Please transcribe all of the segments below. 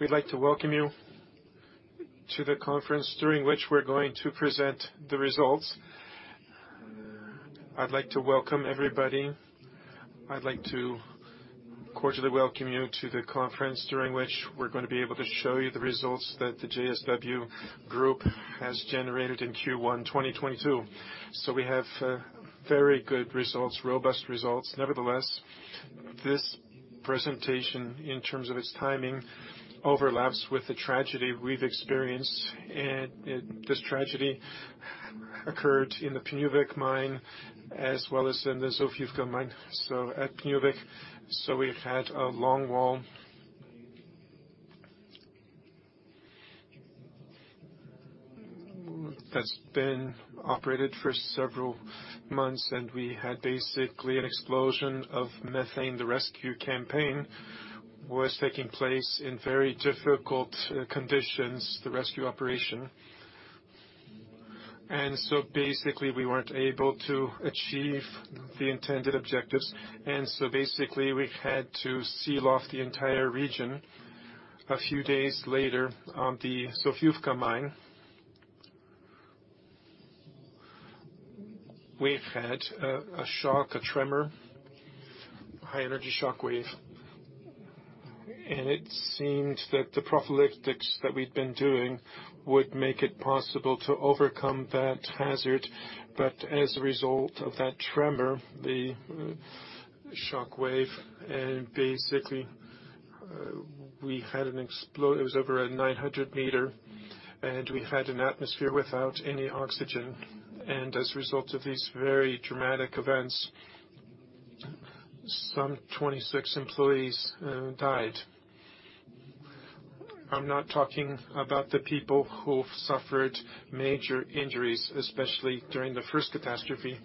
We'd like to welcome you to the conference during which we're going to present the results. I'd like to welcome everybody. I'd like to cordially welcome you to the conference during which we're gonna be able to show you the results that the JSW Group has generated in Q1 2022. We have very good results, robust results. Nevertheless, this presentation in terms of its timing overlaps with the tragedy we've experienced. This tragedy occurred in the Pniówek Mine as well as in the Zofiówka Mine. At Pniówek, we've had a long wall that's been operated for several months, and we had basically an explosion of methane. The rescue campaign was taking place in very difficult conditions, the rescue operation. We weren't able to achieve the intended objectives, and so basically we had to seal off the entire region. A few days later, the Zofiówka Mine, we've had a shock, a tremor, high-energy shockwave. It seemed that the prophylactics that we'd been doing would make it possible to overcome that hazard. As a result of that tremor, the shockwave, and basically, it was over a 900 meter, and we had an atmosphere without any oxygen. As a result of these very dramatic events, some 26 employees died. I'm not talking about the people who've suffered major injuries, especially during the first catastrophe,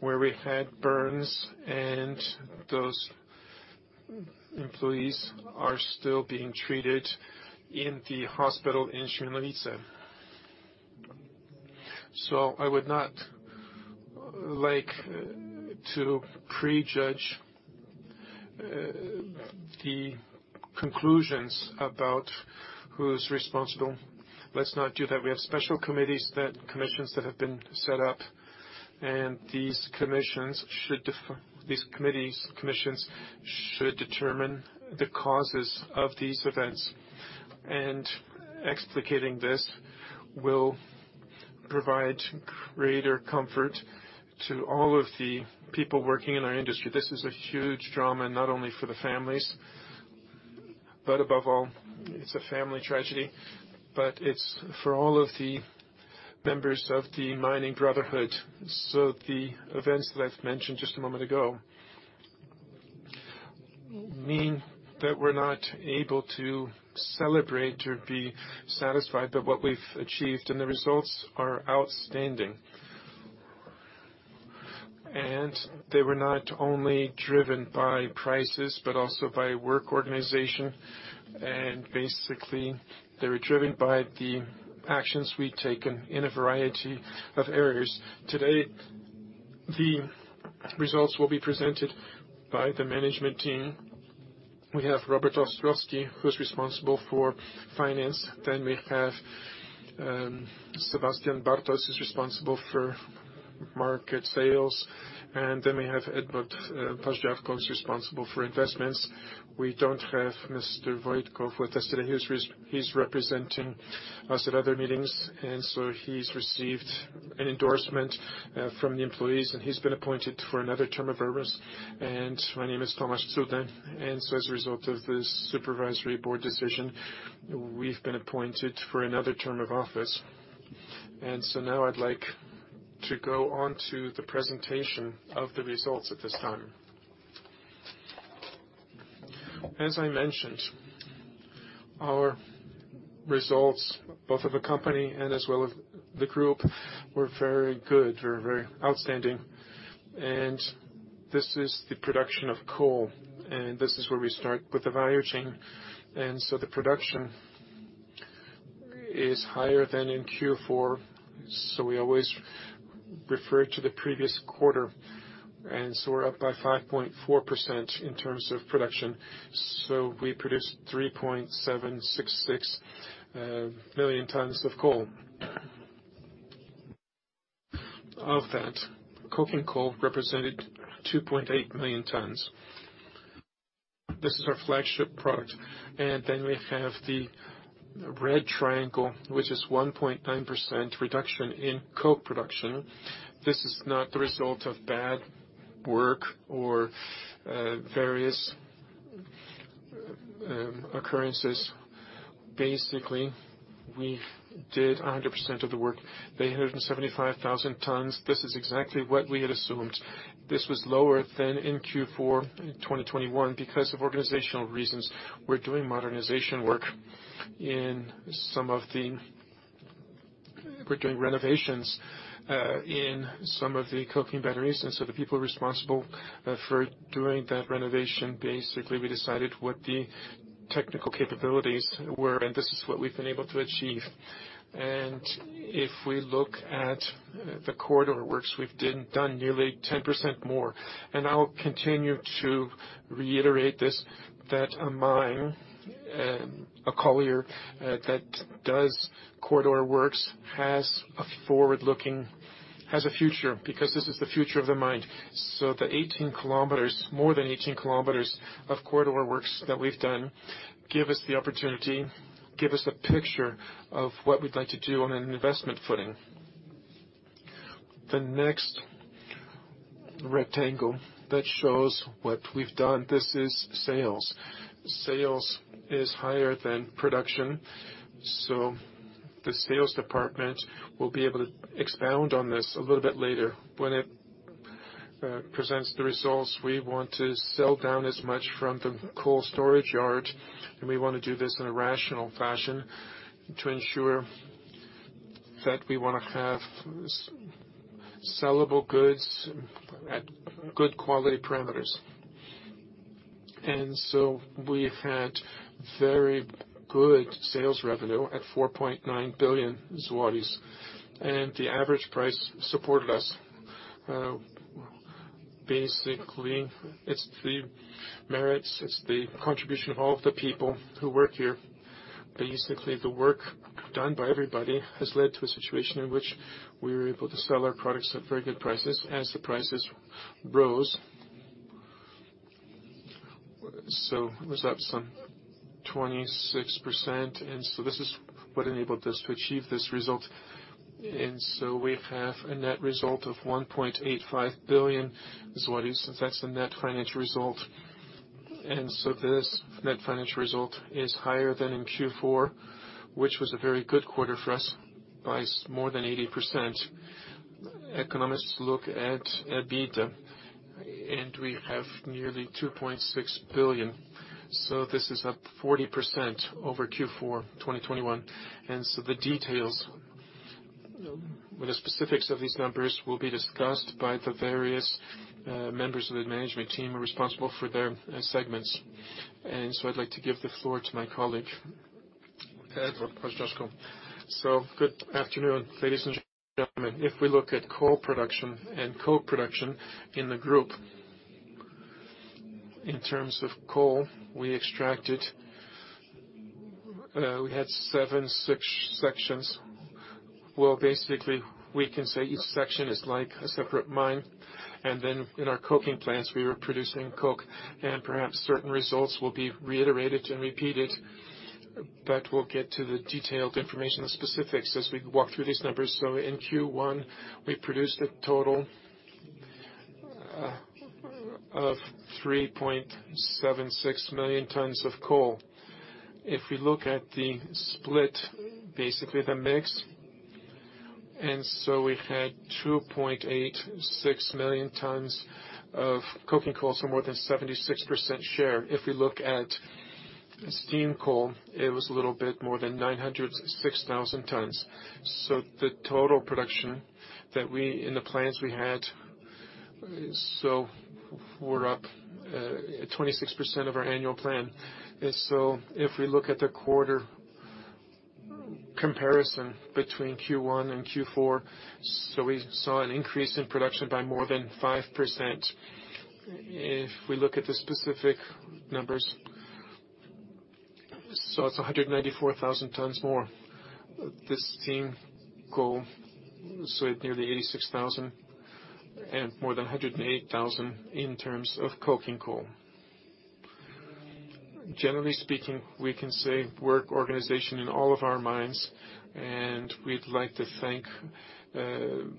where we had burns, and those employees are still being treated in the hospital in Siemianowice Śląskie. I would not like to prejudge the conclusions about who's responsible. Let's not do that. We have special committees, commissions that have been set up, and these committees, commissions should determine the causes of these events. Explicating this will provide greater comfort to all of the people working in our industry. This is a huge drama, not only for the families, but above all, it's a family tragedy, but it's for all of the members of the mining brotherhood. The events that I've mentioned just a moment ago mean that we're not able to celebrate or be satisfied by what we've achieved, and the results are outstanding. They were not only driven by prices, but also by work organization, and basically, they were driven by the actions we'd taken in a variety of areas. Today, the results will be presented by the management team. We have Robert Ostrowski, who's responsible for finance. We have Sebastian Bartos is responsible for market sales. We have Edward Paździorko, who's responsible for investments. We don't have Mr. Wojtków with us today. He's representing us at other meetings, and so he's received an endorsement from the employees, and he's been appointed for another term of ours. My name is Tomasz Cudny. As a result of the supervisory board decision, we've been appointed for another term of office. Now I'd like to go on to the presentation of the results at this time. As I mentioned, our results, both of the company and as well as the group, were very good, very, very outstanding. This is the production of coal, and this is where we start with the value chain. The production is higher than in Q4, so we always refer to the previous quarter. We're up by 5.4% in terms of production. We produced 3.766 million tons of coal. Of that, coking coal represented 2.8 million tons. This is our flagship product. We have the red triangle, which is 1.9% reduction in coke production. This is not the result of bad work or various occurrences. Basically, we did 100% of the work, 375,000 tons. This is exactly what we had assumed. This was lower than in Q4 in 2021 because of organizational reasons. We're doing modernization work in some of the We're doing renovations in some of the coking batteries, and the people responsible for doing that renovation basically decided what the technical capabilities were, and this is what we've been able to achieve. If we look at the corridor works, we've done nearly 10% more. I'll continue to reiterate this, that a colliery that does corridor works has a forward-looking future, because this is the future of the mine. The 18 kilometers, more than 18 kilometers of corridor works that we've done give us the opportunity, give us a picture of what we'd like to do on an investment footing. The next rectangle that shows what we've done, this is sales. Sales is higher than production, so the sales department will be able to expound on this a little bit later when it presents the results. We want to sell down as much from the coal storage yard, and we wanna do this in a rational fashion to ensure that we wanna have sellable goods at good quality parameters. We've had very good sales revenue at 4.9 billion zlotys. The average price supported us. Basically it's the merits, it's the contribution of all of the people who work here. Basically, the work done by everybody has led to a situation in which we were able to sell our products at very good prices as the prices rose. It was up some 26%, and this is what enabled us to achieve this result. We have a net result of 1.85 billion zlotys, so that's the net financial result. This net financial result is higher than in Q4, which was a very good quarter for us, by more than 80%. Economists look at EBITDA, and we have nearly 2.6 billion. This is up 40% over Q4 2021. The details, the specifics of these numbers will be discussed by the various members of the management team who are responsible for their segments. I'd like to give the floor to my colleague, Edward Paździorko. Good afternoon, ladies and gentlemen. If we look at coal production and coke production in the group, in terms of coal we extracted, we had 7.6 sections. Well, basically we can say each section is like a separate mine. Then in our coking plants we were producing coke. Perhaps certain results will be reiterated and repeated, but we'll get to the detailed information, the specifics as we walk through these numbers. In Q1 we produced a total of 3.76 million tons of coal. If we look at the split, basically the mix. We had 2.86 million tons of coking coal, so more than 76% share. If we look at steam coal, it was a little bit more than 906,000 tons. The total production that we, in the plans we had, so we're up 26% of our annual plan. If we look at the quarter comparison between Q1 and Q4, so we saw an increase in production by more than 5%. If we look at the specific numbers, so it's 194,000 tons more. The steam coal, so at nearly 86,000 and more than 108,000 in terms of coking coal. Generally speaking, we can say work organization in all of our mines, and we'd like to thank the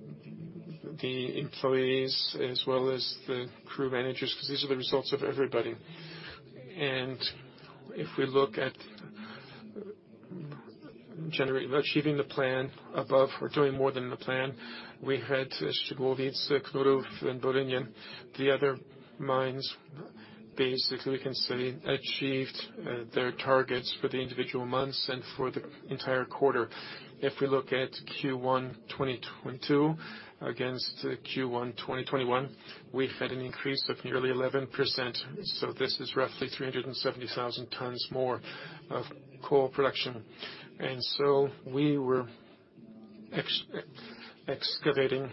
employees as well as the crew managers, because these are the results of everybody. If we look at achieving the plan above or doing more than the plan, we had Szczygłowice, Knurów, and Boliniec. The other mines, basically we can say achieved their targets for the individual months and for the entire quarter. If we look at Q1 2022 against Q1 2021, we've had an increase of nearly 11%, so this is roughly 370,000 tons more of coal production. We were excavating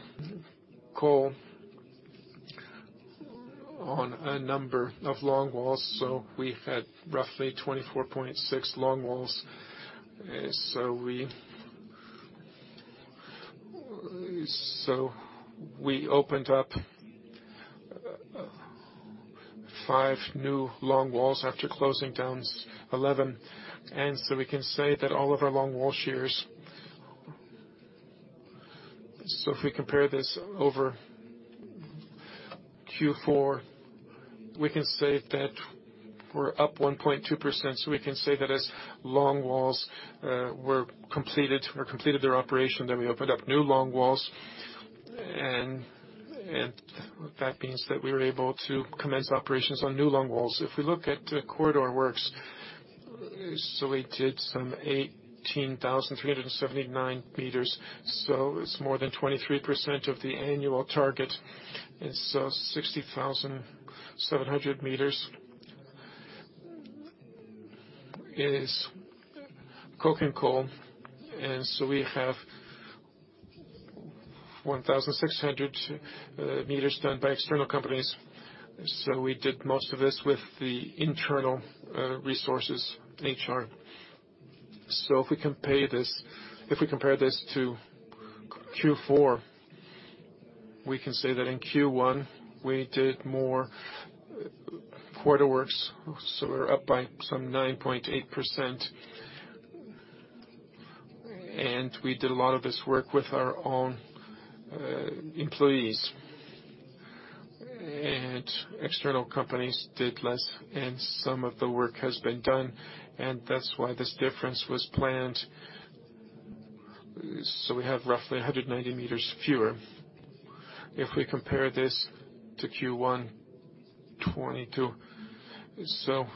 coal on a number of long walls, so we had roughly 24.6 long walls. We opened up five new long walls after closing down 11. We can say that all of our long wall shears. If we compare this over Q4, we can say that we're up 1.2%. We can say that as long walls were completed their operation, then we opened up new long walls, and that means that we were able to commence operations on new long walls. If we look at the corridor works, we did some 18,379 meters, so it's more than 23% of the annual target. 60,700 meters is coking coal. We have 1,600 meters done by external companies. We did most of this with the internal resources in-house. If we compare this to Q4, we can say that in Q1, we did more quarter works, so we're up by some 9.8%. We did a lot of this work with our own employees. External companies did less, and some of the work has been done, and that's why this difference was planned. We have roughly 190 meters fewer. If we compare this to Q1 2022,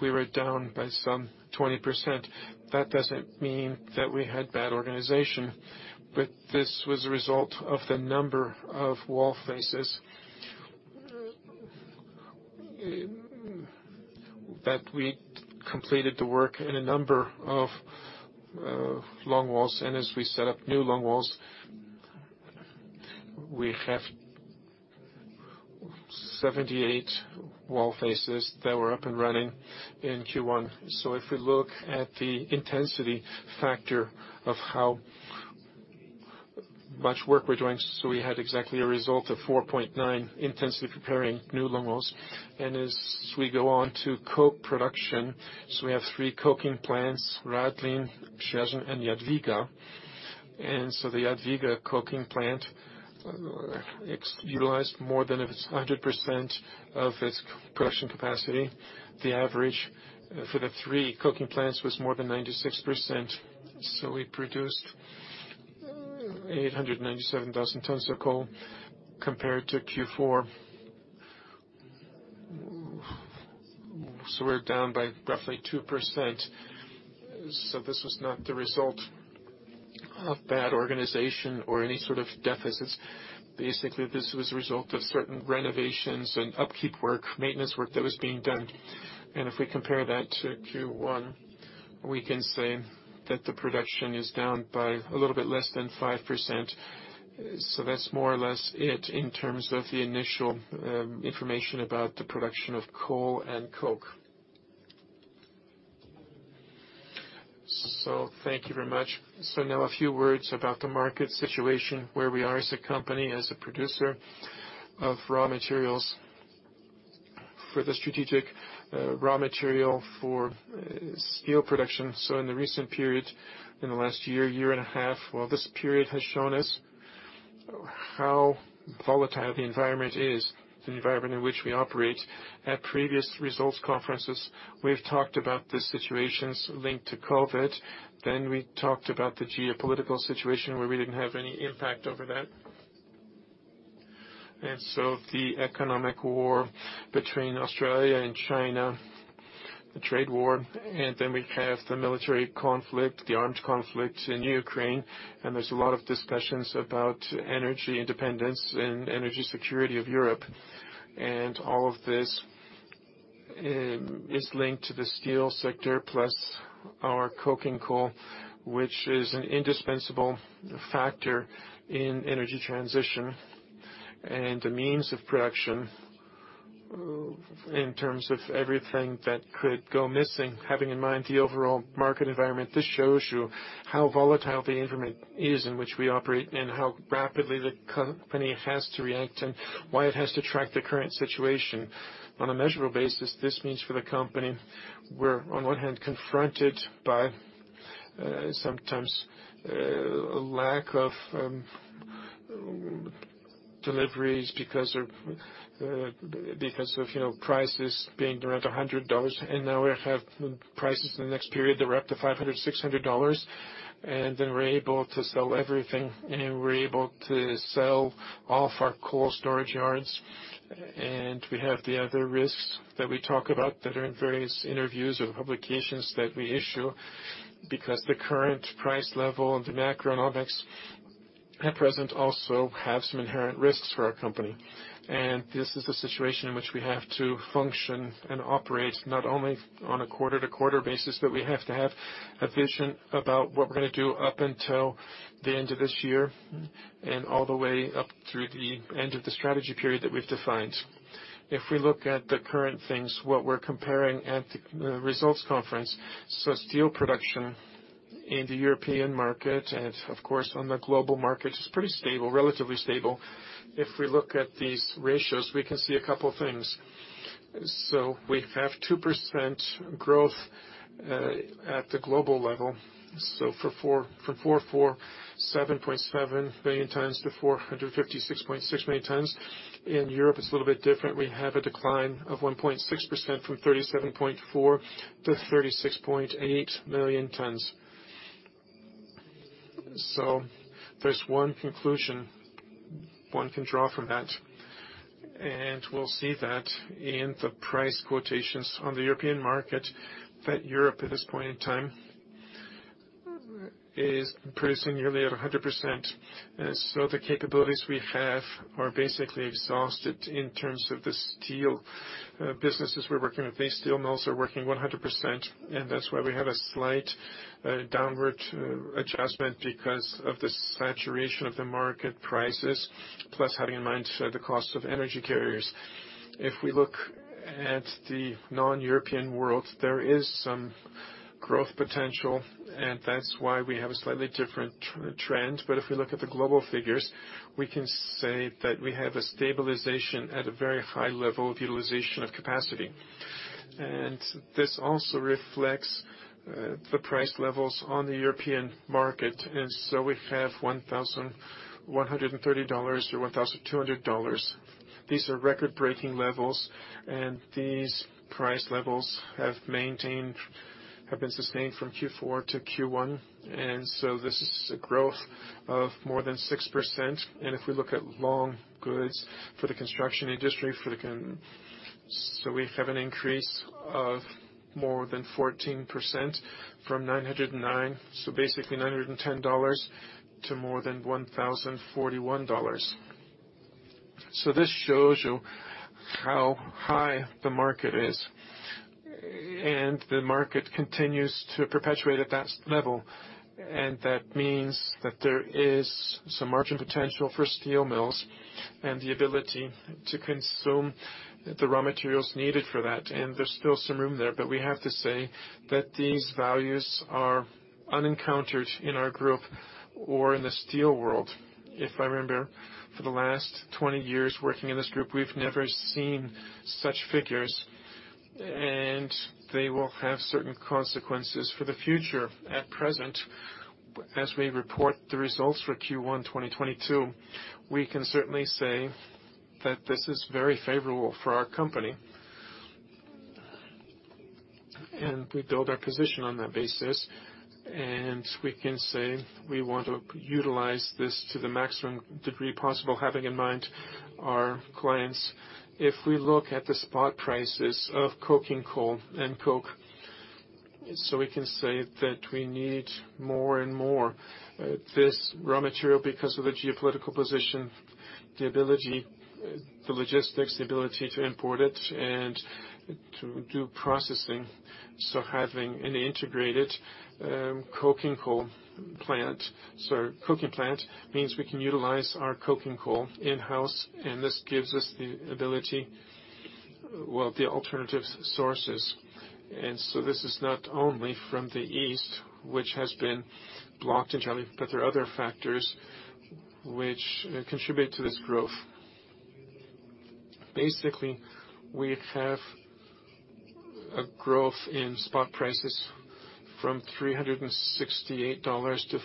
we were down by some 20%. That doesn't mean that we had bad organization, but this was a result of the number of wall faces that we completed the work in a number of long walls. As we set up new long walls, we have 78 wall faces that were up and running in Q1. If we look at the intensity factor of how much work we're doing, we had exactly a result of 4.9 intensely preparing new long walls. As we go on to coke production, we have three coking plants, Radlin, Przyjaźń, and Jadwiga. The Jadwiga coking plant, it's utilized more than 100% of its production capacity. The average for the three coking plants was more than 96%. We produced 897,000 tons of coke compared to Q4, we're down by roughly 2%. This was not the result of bad organization or any sort of deficits. Basically, this was a result of certain renovations and upkeep work, maintenance work that was being done. If we compare that to Q1, we can say that the production is down by a little bit less than 5%. That's more or less it in terms of the initial information about the production of coal and coke. Thank you very much. Now a few words about the market situation, where we are as a company, as a producer of raw materials for the strategic raw material for steel production. In the recent period, in the last year and a half, well, this period has shown us how volatile the environment is, the environment in which we operate. At previous results conferences, we've talked about the situations linked to COVID. Then we talked about the geopolitical situation where we didn't have any impact over that. The economic war between Australia and China, the trade war, and then we have the military conflict, the armed conflict in Ukraine. There's a lot of discussions about energy independence and energy security of Europe. All of this is linked to the steel sector plus our coking coal, which is an indispensable factor in energy transition and a means of production in terms of everything that could go missing. Having in mind the overall market environment, this shows you how volatile the environment is in which we operate and how rapidly the company has to react and why it has to track the current situation. On a measurable basis, this means for the company, we're on one hand confronted by sometimes lack of deliveries because of, you know, prices being around $100. Now we have prices in the next period, they're up to $500-$600. We're able to sell everything, and we're able to sell all of our coal storage yards. We have the other risks that we talk about that are in various interviews or publications that we issue, because the current price level, the macroeconomics at present also have some inherent risks for our company. This is a situation in which we have to function and operate not only on a quarter-to-quarter basis, but we have to have a vision about what we're going to do up until the end of this year and all the way up through the end of the strategy period that we've defined. If we look at the current things, what we're comparing at the results conference, steel production in the European market and of course, on the global market is pretty stable, relatively stable. If we look at these ratios, we can see a couple of things. We have 2% growth at the global level. From 447.7 million tons to 456.6 million tons. In Europe, it's a little bit different. We have a decline of 1.6% from 37.4 million tons to 36.8 million tons. There's one conclusion one can draw from that, and we'll see that in the price quotations on the European market, that Europe, at this point in time is producing nearly at 100%. The capabilities we have are basically exhausted in terms of the steel businesses we're working with. These steel mills are working 100%, and that's why we have a slight downward adjustment because of the saturation of the market prices, plus having in mind the cost of energy carriers. If we look at the non-European world, there is some growth potential, and that's why we have a slightly different trend. But if we look at the global figures, we can say that we have a stabilization at a very high level of utilization of capacity. This also reflects the price levels on the European market, so we have $1,130 or $1,200. These are record-breaking levels, and these price levels have been sustained from Q4 to Q1. This is a growth of more than 6%. If we look at long goods for the construction industry, we have an increase of more than 14% from 909, so basically $910 to more than $1,041. This shows you how high the market is. The market continues to perpetuate at that level. That means that there is some margin potential for steel mills and the ability to consume the raw materials needed for that. There's still some room there, but we have to say that these values are unprecedented in our group or in the steel world. If I remember, for the last 20 years working in this group, we've never seen such figures, and they will have certain consequences for the future. At present, as we report the results for Q1 2022, we can certainly say that this is very favorable for our company. We build our position on that basis, and we can say we want to utilize this to the maximum degree possible, having in mind our clients. If we look at the spot prices of coking coal and coke, we can say that we need more and more this raw material because of the geopolitical position, the ability, the logistics, the ability to import it and to do processing. Having an integrated coking plant means we can utilize our coking coal in-house, and this gives us the ability, well, the alternative sources. This is not only from the east, which has been blocked entirely, but there are other factors which contribute to this growth. Basically, we have a growth in spot prices from $368 to $487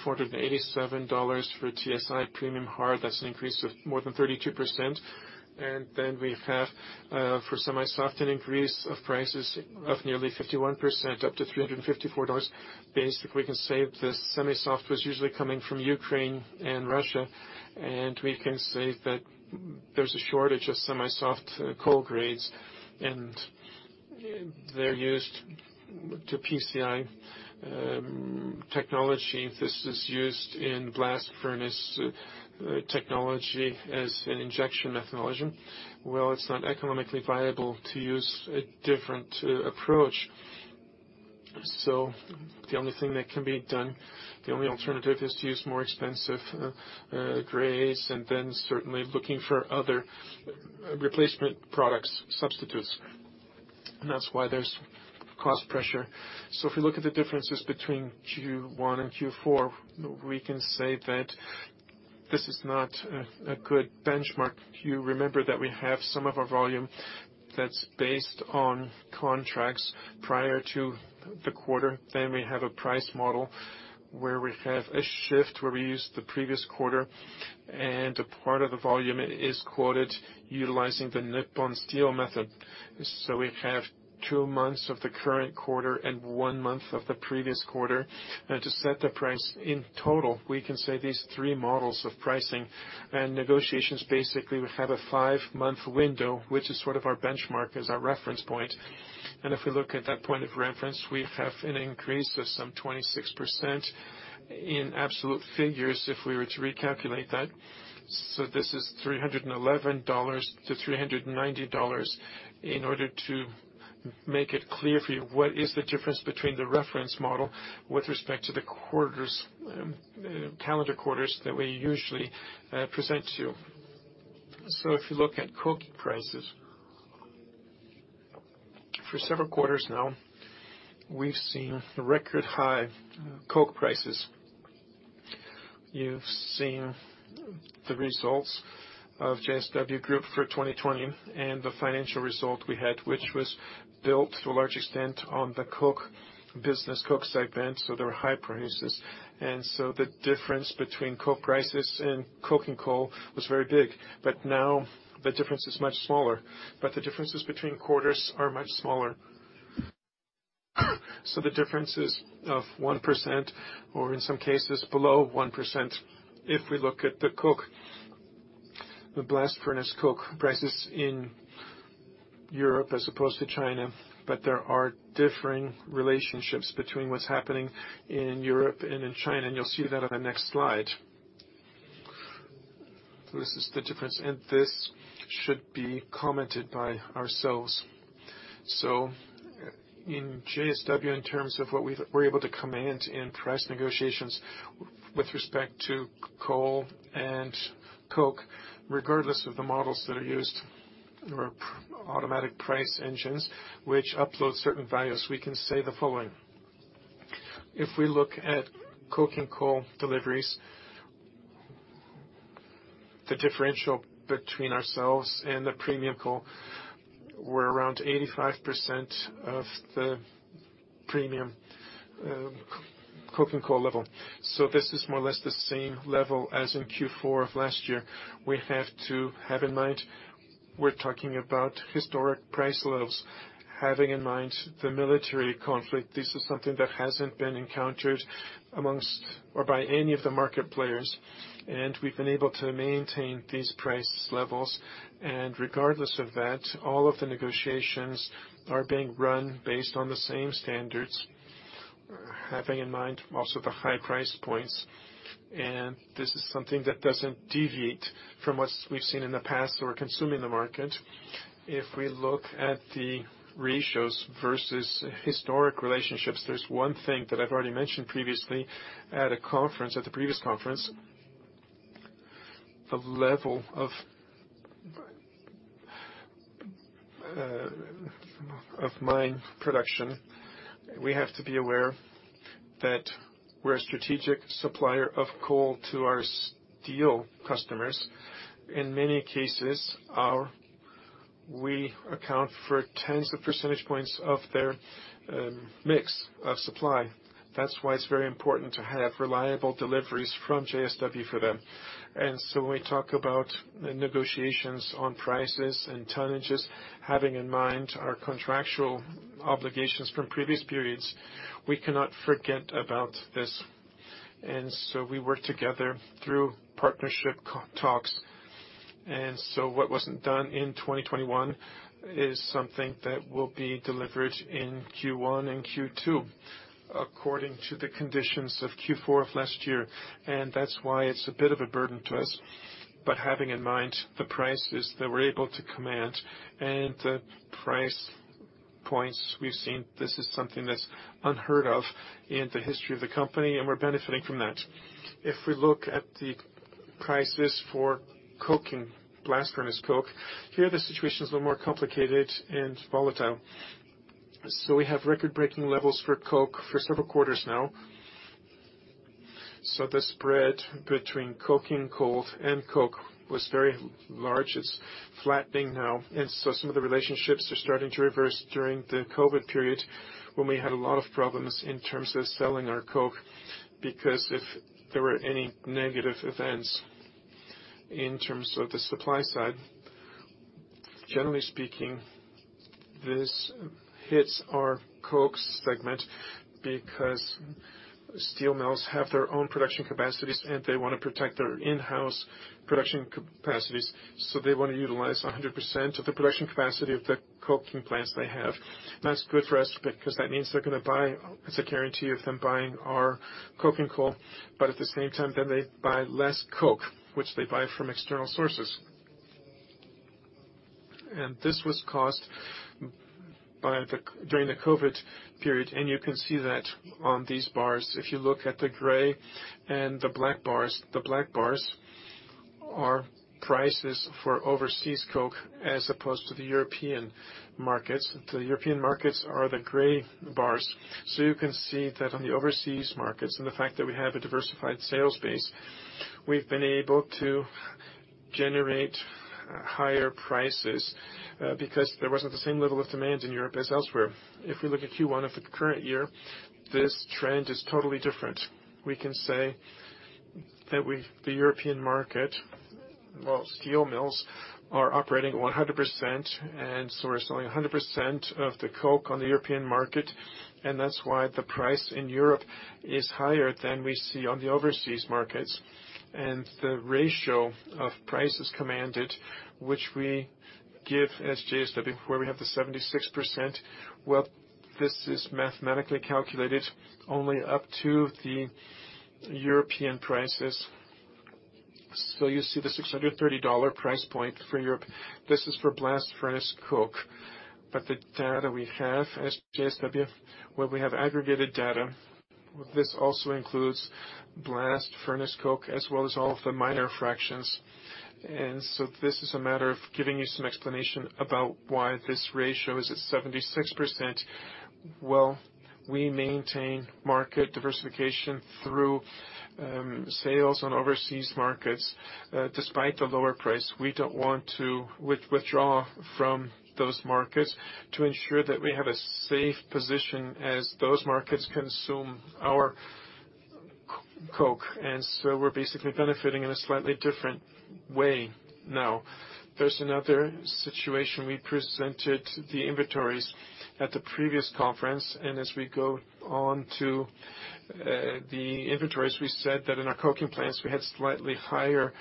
for TSI Premium Hard. That's an increase of more than 32%. We have for semi-soft, an increase of prices of nearly 51%, up to $354. Basically, we can say the semi-soft was usually coming from Ukraine and Russia, and we can say that there's a shortage of semi-soft coal grades, and they're used to PCI technology. This is used in blast furnace technology as an injection methodology. Well, it's not economically viable to use a different approach. The only thing that can be done, the only alternative, is to use more expensive grades and then certainly looking for other replacement products, substitutes. That's why there's cost pressure. If you look at the differences between Q1 and Q4, we can say that this is not a good benchmark. You remember that we have some of our volume that's based on contracts prior to the quarter. We have a price model where we have a shift where we use the previous quarter, and a part of the volume is quoted utilizing the Nippon Steel method. We have two months of the current quarter and one month of the previous quarter. Now to set the price in total, we can say these three models of pricing and negotiations, basically, we have a five-month window, which is sort of our benchmark as our reference point. If we look at that point of reference, we have an increase of some 26% in absolute figures if we were to recalculate that. This is $311-$390 in order to make it clear for you what is the difference between the reference model with respect to the quarters, calendar quarters that we usually present to you. If you look at coking prices. For several quarters now, we've seen record high coke prices. You've seen the results of JSW Group for 2020 and the financial result we had, which was built to a large extent on the coke business, coke segment, so there were high prices. The difference between coke prices and coking coal was very big. Now the difference is much smaller. The differences between quarters are much smaller. The difference is of 1%, or in some cases below 1% if we look at the coke. The blast furnace coke prices in Europe as opposed to China, but there are differing relationships between what's happening in Europe and in China, and you'll see that on the next slide. This is the difference, and this should be commented by ourselves. In JSW, in terms of what we're able to command in price negotiations with respect to coal and coke, regardless of the models that are used, or automatic price engines, which upload certain values, we can say the following. If we look at coke and coal deliveries, the differential between ourselves and the premium coal were around 85% of the premium, coke and coal level. This is more or less the same level as in Q4 of last year. We have to have in mind, we're talking about historic price levels. Having in mind the military conflict, this is something that hasn't been encountered amongst or by any of the market players, and we've been able to maintain these price levels. Regardless of that, all of the negotiations are being run based on the same standards, having in mind also the high price points. This is something that doesn't deviate from what we've seen in the past or custom in the market. If we look at the ratios versus historic relationships, there's one thing that I've already mentioned previously at a conference, at the previous conference, the level of mine production. We have to be aware that we're a strategic supplier of coal to our steel customers. In many cases, we account for tens of percentage points of their mix of supply. That's why it's very important to have reliable deliveries from JSW for them. We talk about the negotiations on prices and tonnages, having in mind our contractual obligations from previous periods. We cannot forget about this. We work together through partnership contract talks. What wasn't done in 2021 is something that will be delivered in Q1 and Q2, according to the conditions of Q4 of last year. That's why it's a bit of a burden to us. Having in mind the prices that we're able to command and the price points we've seen, this is something that's unheard of in the history of the company, and we're benefiting from that. If we look at the prices for coke and blast furnace coke, here the situation is a little more complicated and volatile. We have record-breaking levels for coke for several quarters now. The spread between coking coal and coke was very large. It's flattening now. Some of the relationships are starting to reverse during the COVID period when we had a lot of problems in terms of selling our coke, because if there were any negative events in terms of the supply side, generally speaking, this hits our coke segment because steel mills have their own production capacities, and they wanna protect their in-house production capacities. They wanna utilize 100% of the production capacity of the coking plants they have. That's good for us because that means they're gonna buy. It's a guarantee of them buying our coking coal, but at the same time, then they buy less coke, which they buy from external sources. This was caused during the COVID period. You can see that on these bars. If you look at the gray and the black bars, the black bars are prices for overseas coke as opposed to the European markets. The European markets are the gray bars. You can see that on the overseas markets and the fact that we have a diversified sales base, we've been able to generate higher prices, because there wasn't the same level of demand in Europe as elsewhere. If we look at Q1 of the current year, this trend is totally different. We can say the European market, well, steel mills are operating 100%, and so we're selling 100% of the coke on the European market, and that's why the price in Europe is higher than we see on the overseas markets. The ratio of prices commanded, which we give as JSW, where we have the 76%, well, this is mathematically calculated only up to the European prices. You see the $630 price point for Europe. This is for blast furnace coke. The data we have as JSW, where we have aggregated data, this also includes blast furnace coke as well as all of the minor fractions. This is a matter of giving you some explanation about why this ratio is at 76%, well, we maintain market diversification through sales on overseas markets. Despite the lower price, we don't want to withdraw from those markets to ensure that we have a safe position as those markets consume our coke. We're basically benefiting in a slightly different way now. There's another situation. We presented the inventories at the previous conference, and as we go on to the inventories, we said that in our coking plants we had slightly higher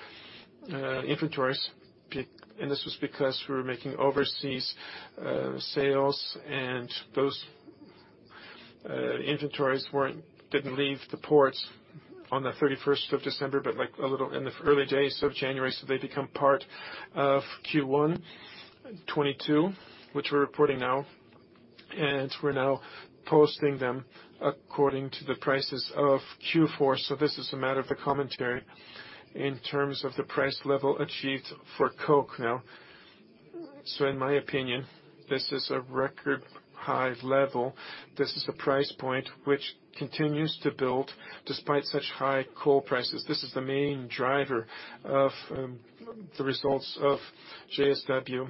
inventories. This was because we were making overseas sales and those inventories didn't leave the ports on the thirty-first of December, but like a little in the early days of January, so they become part of Q1 2022, which we're reporting now. We're now posting them according to the prices of Q4. This is a matter of the commentary in terms of the price level achieved for coke now. In my opinion, this is a record high level. This is a price point which continues to build despite such high coal prices. This is the main driver of the results of JSW.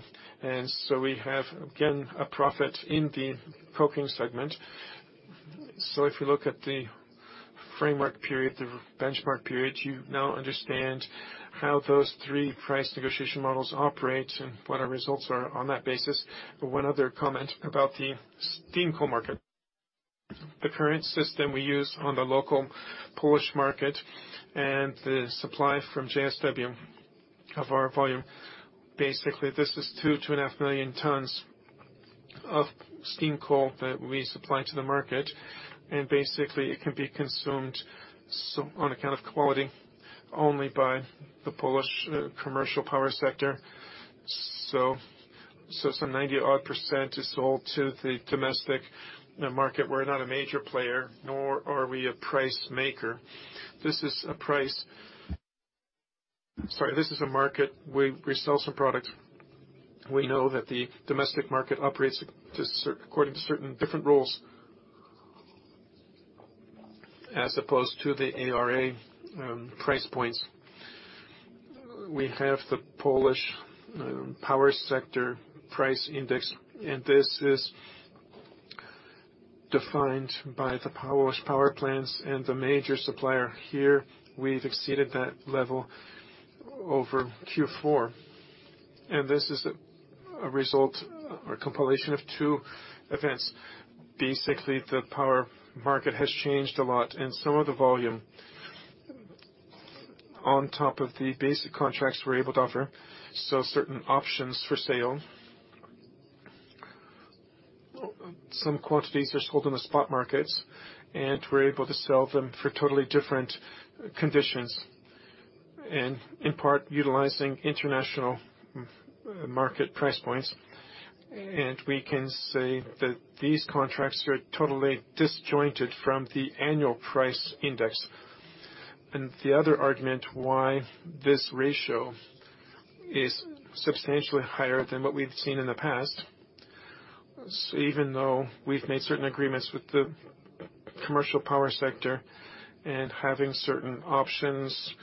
We have, again, a profit in the coking segment. If you look at the framework period, the benchmark period, you now understand how those three price negotiation models operate and what our results are on that basis. One other comment about the steam coal market. The current system we use on the local Polish market and the supply from JSW of our volume, basically this is 2-2.5 million tons of steam coal that we supply to the market. Basically, it can be consumed so on account of quality only by the Polish commercial power sector. Some 90-odd% is sold to the domestic market. We're not a major player, nor are we a price maker. This is a price. Sorry, this is a market. We sell some product. We know that the domestic market operates according to certain different rules, as opposed to the ARA price points. We have the Polish power sector price index, and this is defined by the Polish power plants and the major supplier here. We've exceeded that level over Q4. This is a result or compilation of two events. Basically, the power market has changed a lot, and some of the volume on top of the basic contracts we're able to offer, so certain options for sale. Some quantities are sold in the spot markets, and we're able to sell them for totally different conditions and in part utilizing international market price points. We can say that these contracts are totally disjointed from the annual price index. The other argument why this ratio is substantially higher than what we've seen in the past, even though we've made certain agreements with the commercial power sector and having certain options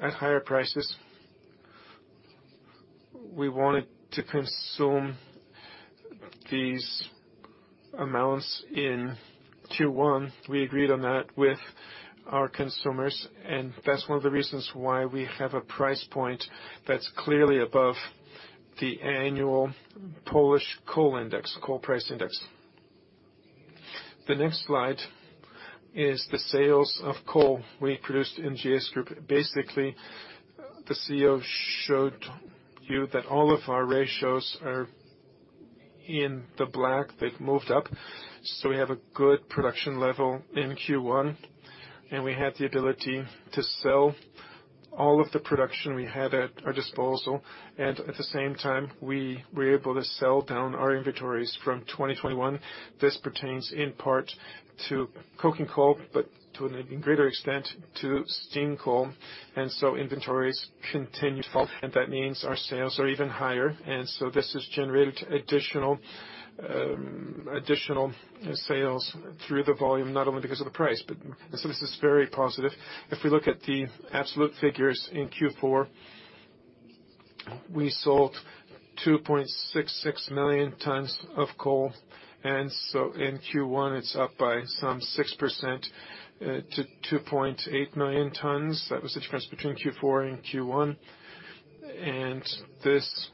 at higher prices, we wanted to consume these amounts in Q1. We agreed on that with our consumers, and that's one of the reasons why we have a price point that's clearly above the annual Polish coal index, coal price index. The next slide is the sales of coal we produced in JSW Group. Basically, the CEO showed you that all of our ratios are in the black. They've moved up. We have a good production level in Q1, and we had the ability to sell all of the production we had at our disposal. At the same time, we were able to sell down our inventories from 2021. This pertains in part to coking coal, but to an even greater extent to steam coal. Inventories continue to fall, and that means our sales are even higher. This has generated additional sales through the volume, not only because of the price, but. This is very positive. If we look at the absolute figures in Q4, we sold 2.66 million tons of coal. In Q1, it's up by some 6% to 2.8 million tons. That was the difference between Q4 and Q1. This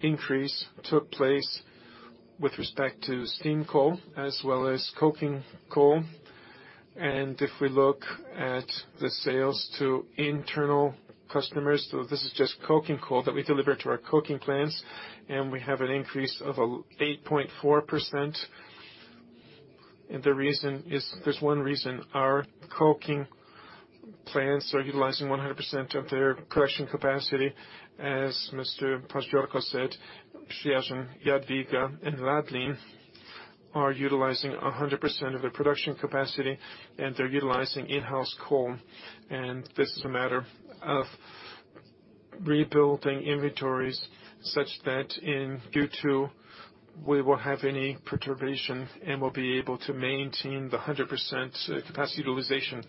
increase took place with respect to steam coal as well as coking coal. If we look at the sales to internal customers, so this is just coking coal that we deliver to our coking plants, and we have an increase of 8.4%. The reason is. There's one reason our coking plants are utilizing 100% of their production capacity. As Mr. Paździorko said, Przyjaźń, Jadwiga, and Radlin are utilizing 100% of their production capacity, and they're utilizing in-house coal. This is a matter of rebuilding inventories such that in Q2, we won't have any perturbation, and we'll be able to maintain the 100% capacity utilization.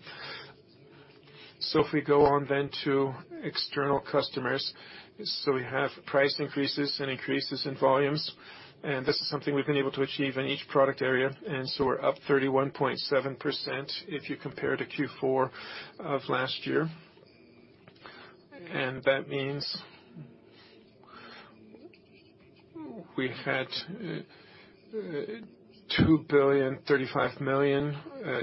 If we go on then to external customers, we have price increases and increases in volumes, and this is something we've been able to achieve in each product area. We're up 31.7% if you compare to Q4 of last year. That means we had 2.035 billion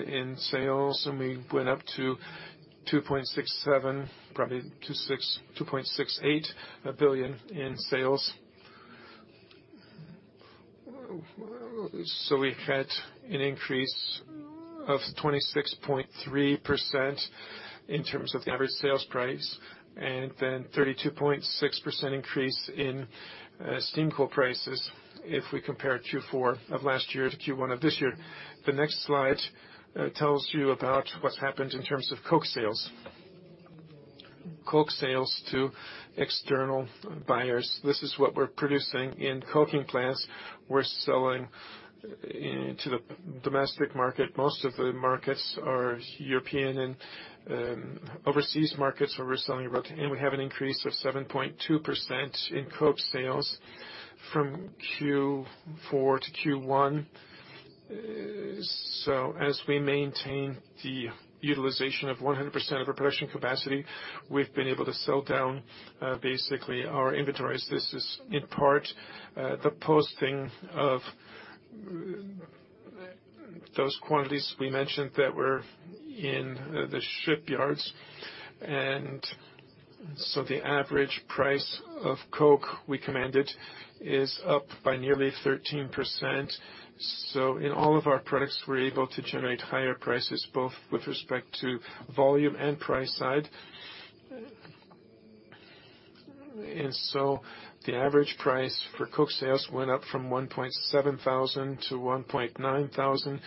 in sales, and we went up to 2.67 billion, probably 2.68 billion in sales. So we had an increase of 26.3% in terms of the average sales price and then 32.6% increase in steam coal prices if we compare Q4 of last year to Q1 of this year. The next slide tells you about what's happened in terms of coke sales. Coke sales to external buyers. This is what we're producing in coking plants. We're selling into the domestic market. Most of the markets are European and overseas markets where we're selling about. We have an increase of 7.2% in coke sales from Q4 to Q1. So as we maintain the utilization of 100% of our production capacity, we've been able to sell down basically our inventories. This is in part the posting of those quantities we mentioned that were in the shipyards. The average price of coke we commanded is up by nearly 13%. In all of our products, we're able to generate higher prices, both with respect to volume and price side. The average price for coke sales went up from 1.7 thousand to 1.9 thousand,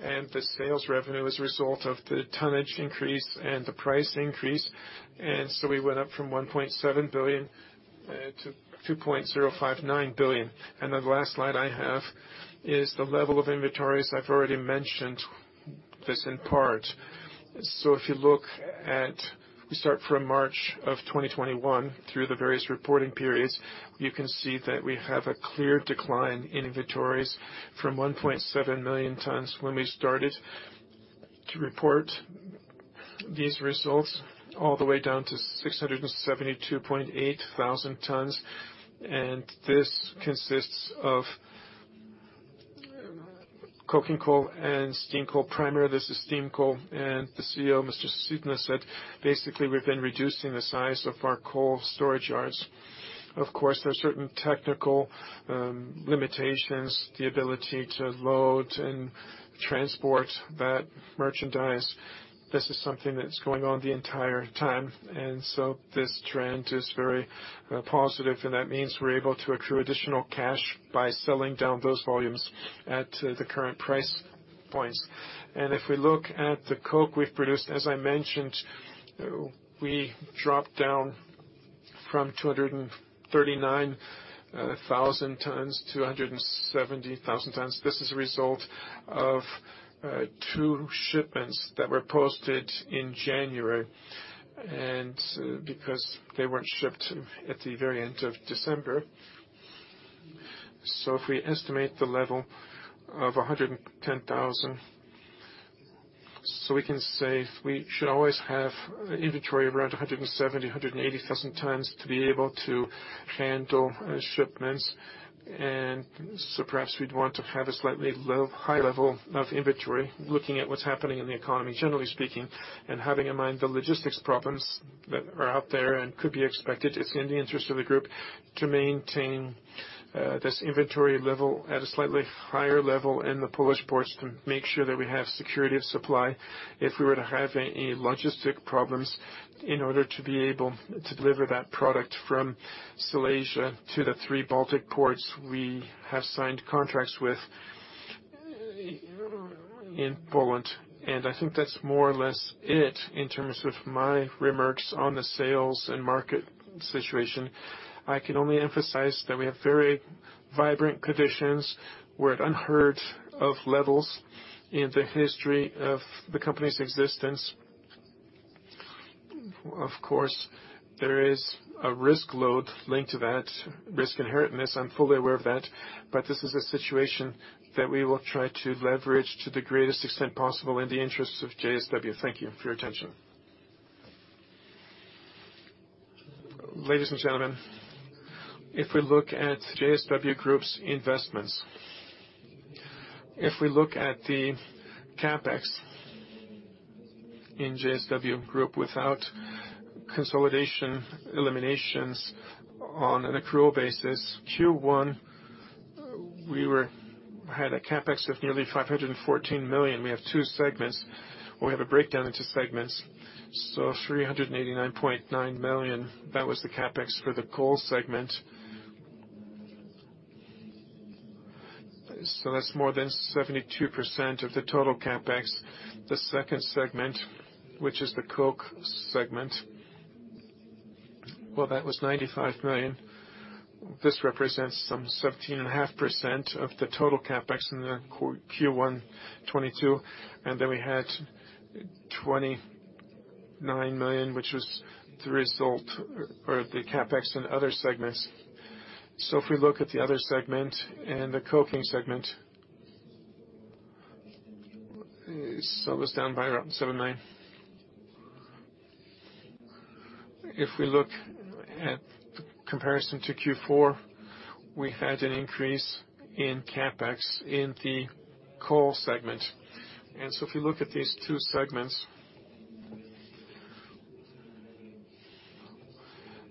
and the sales revenue as a result of the tonnage increase and the price increase. We went up from 1.7 billion to 2.059 billion. The last slide I have is the level of inventories. I've already mentioned this in part. If you look at... We start from March 2021 through the various reporting periods. You can see that we have a clear decline in inventories from 1.7 million tons when we started to report these results all the way down to 672.8 thousand tons, and this consists of coking coal and steam coal. Primarily, this is steam coal. The CEO, Mr. Cudny, said, "Basically, we've been reducing the size of our coal storage yards." Of course, there are certain technical limitations, the ability to load and transport that merchandise. This is something that's going on the entire time. This trend is very positive, and that means we're able to accrue additional cash by selling down those volumes at the current price points. If we look at the coke we've produced, as I mentioned, we dropped down from 239,000 tons to 170,000 tons. This is a result of two shipments that were posted in January, and because they weren't shipped at the very end of December. If we estimate the level of 110,000, so we can say we should always have inventory around 170,000-180,000 tons to be able to handle shipments. Perhaps we'd want to have a slightly low, high level of inventory, looking at what's happening in the economy, generally speaking, and having in mind the logistics problems that are out there and could be expected. It's in the interest of the group to maintain this inventory level at a slightly higher level in the Polish ports to make sure that we have security of supply. If we were to have any logistic problems in order to be able to deliver that product from Silesia to the three Baltic ports we have signed contracts with in Poland. I think that's more or less it in terms of my remarks on the sales and market situation. I can only emphasize that we have very vibrant conditions. We're at unheard of levels in the history of the company's existence. Of course, there is a risk load linked to that risk inherent in this. I'm fully aware of that. This is a situation that we will try to leverage to the greatest extent possible in the interests of JSW. Thank you for your attention. Ladies and gentlemen, if we look at JSW Group's investments, if we look at the CapEx in JSW Group without consolidation eliminations on an accrual basis, Q1, we had a CapEx of nearly 514 million. We have two segments. We have a breakdown into segments. 389.9 million, that was the CapEx for the coal segment. That's more than 72% of the total CapEx. The second segment, which is the coke segment, well, that was 95 million. This represents some 17.5% of the total CapEx in the Q1 2022. We had 29 million, which was the result or the CapEx in other segments. If we look at the other segment and the coking segment, it was down by around PLN 7 million. If we look at the comparison to Q4, we had an increase in CapEx in the coal segment. If you look at these two segments,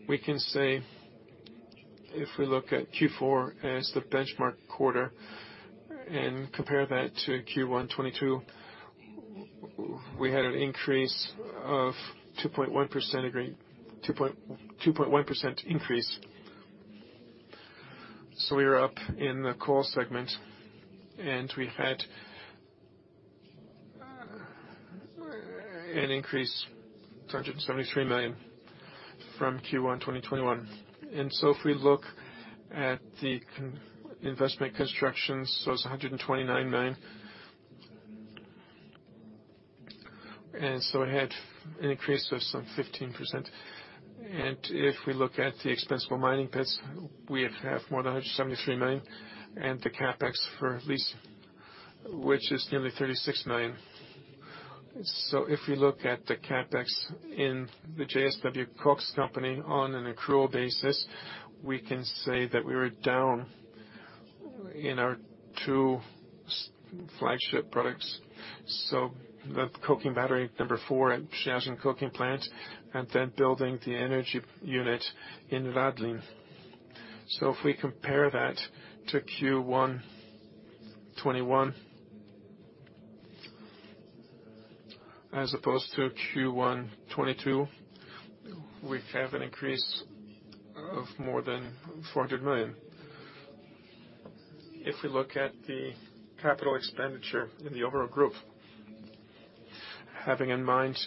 we can say if we look at Q4 as the benchmark quarter and compare that to Q1 2022, we had an increase of 2.1%. We are up in the coal segment and we had an increase to 173 million from Q1 2021. If we look at the investment constructions, it's PLN 129 million. It had an increase of some 15%. If we look at the expense for mining pits, we have more than 173 million and the CapEx for lease, which is nearly 36 million. If we look at the CapEx in the JSW Koks company on an accrual basis, we can say that we were down in our two flagship products, so the coking battery number 4 at Szczecin coking plant, and then building the energy unit in Radlin. If we compare that to Q1 2021 as opposed to Q1 2022, we have an increase of more than 400 million. If we look at the capital expenditure in the overall group, having in mind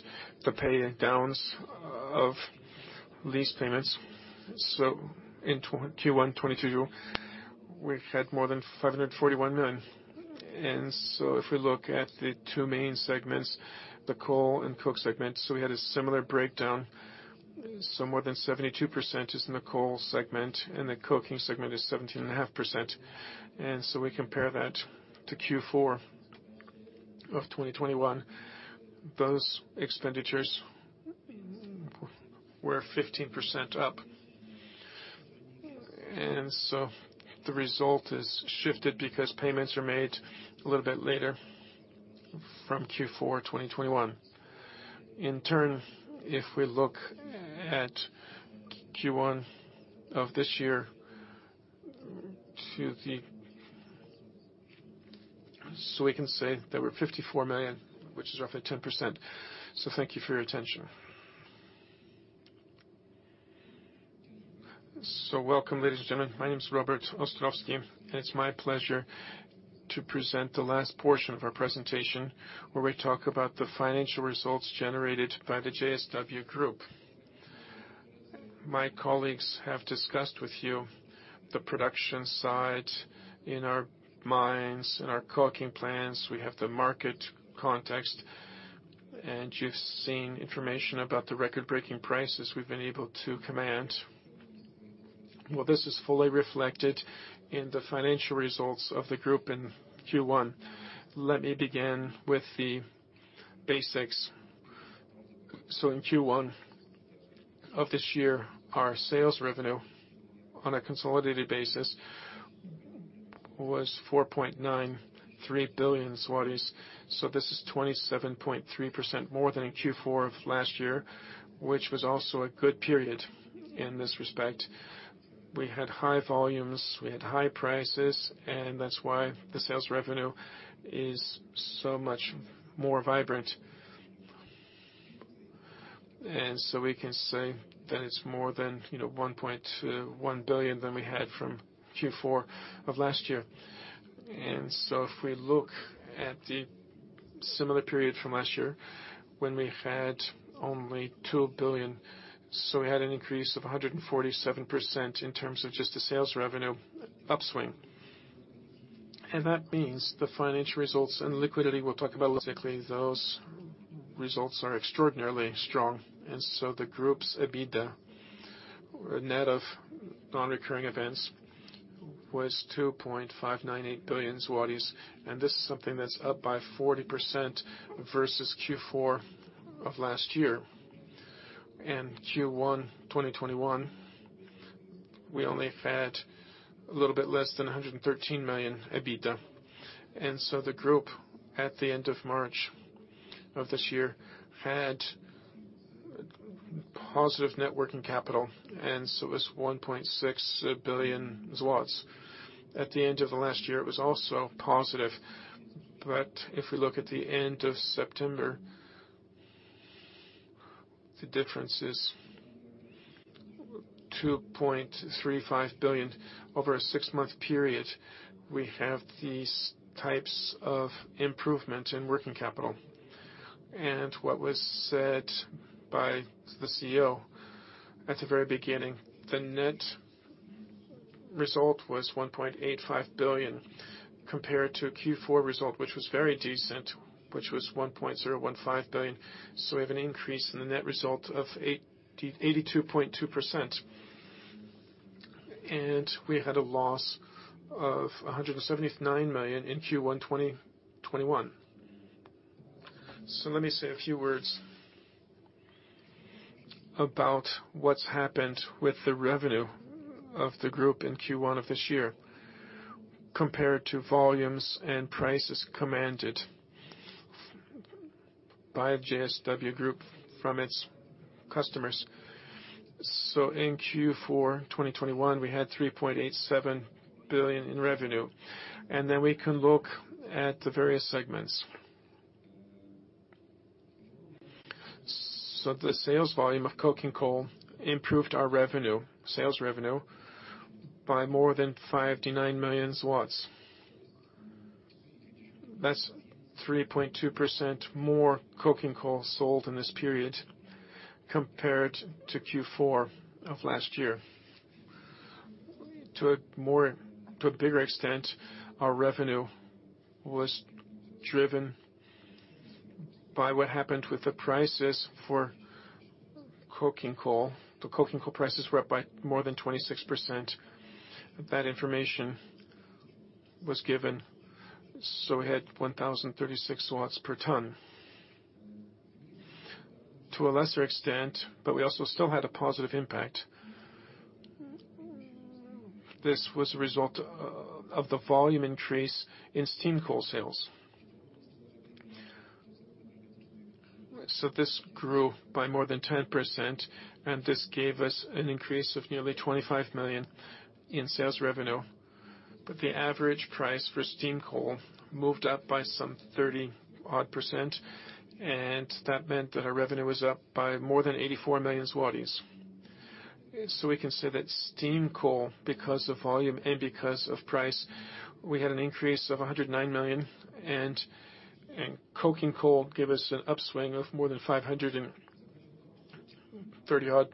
the pay downs of lease payments. In Q1 2022, we've had more than 541 million. If we look at the two main segments, the coal and coke segment, we had a similar breakdown. More than 72% is in the coal segment, and the coking segment is 17.5%. We compare that to Q4 of 2021. Those expenditures were 15% up. The result is shifted because payments are made a little bit later from Q4 2021. In turn, if we look at Q1 of this year to the. We can say that we're 54 million, which is roughly 10%. Thank you for your attention. Welcome, ladies and gentlemen. My name is Robert Ostrowski, and it's my pleasure to present the last portion of our presentation where we talk about the financial results generated by the JSW Group. My colleagues have discussed with you the production side in our mines, in our coking plants. We have the market context, and you've seen information about the record-breaking prices we've been able to command. Well, this is fully reflected in the financial results of the group in Q1. Let me begin with the basics. In Q1 of this year, our sales revenue on a consolidated basis was 4.93 billion zlotys. This is 27.3% more than in Q4 of last year, which was also a good period in this respect. We had high volumes, we had high prices, and that's why the sales revenue is so much more vibrant. We can say that it's more than, you know, 1.1 billion than we had from Q4 of last year. If we look at the similar period from last year when we had only 2 billion, so we had an increase of 147% in terms of just the sales revenue upswing. That means the financial results and liquidity we'll talk about, basically, those results are extraordinarily strong. The group's EBITDA, net of non-recurring events, was 2.598 billion zlotys. This is something that's up by 40% versus Q4 of last year. In Q1 2021, we only had a little bit less than 113 million EBITDA. The group at the end of March of this year had positive net working capital, and so was 1.6 billion zlotys. At the end of last year, it was also positive. If we look at the end of September, the difference is 2.35 billion. Over a six-month period, we have these types of improvement in working capital. What was said by the CEO at the very beginning, the net result was 1.85 billion compared to a Q4 result, which was very decent, which was 1.015 billion. We have an increase in the net result of 82.2%. We had a loss of 179 million in Q1 2021. Let me say a few words about what's happened with the revenue of the group in Q1 of this year compared to volumes and prices commanded by JSW Group from its customers. In Q4 2021, we had 3.87 billion in revenue, and then we can look at the various segments. The sales volume of coking coal improved our revenue, sales revenue by more than 59 million. That's 3.2% more coking coal sold in this period compared to Q4 of last year. To a bigger extent, our revenue was driven by what happened with the prices for coking coal. The coking coal prices were up by more than 26%. That information was given, so we had 1,036 per ton. To a lesser extent, but we also still had a positive impact. This was a result of the volume increase in steam coal sales. This grew by more than 10%, and this gave us an increase of nearly 25 million in sales revenue. The average price for steam coal moved up by some 30-odd%, and that meant that our revenue was up by more than 84 million zlotys. We can say that steam coal, because of volume and because of price, we had an increase of 109 million, and coking coal gave us an upswing of more than 530-odd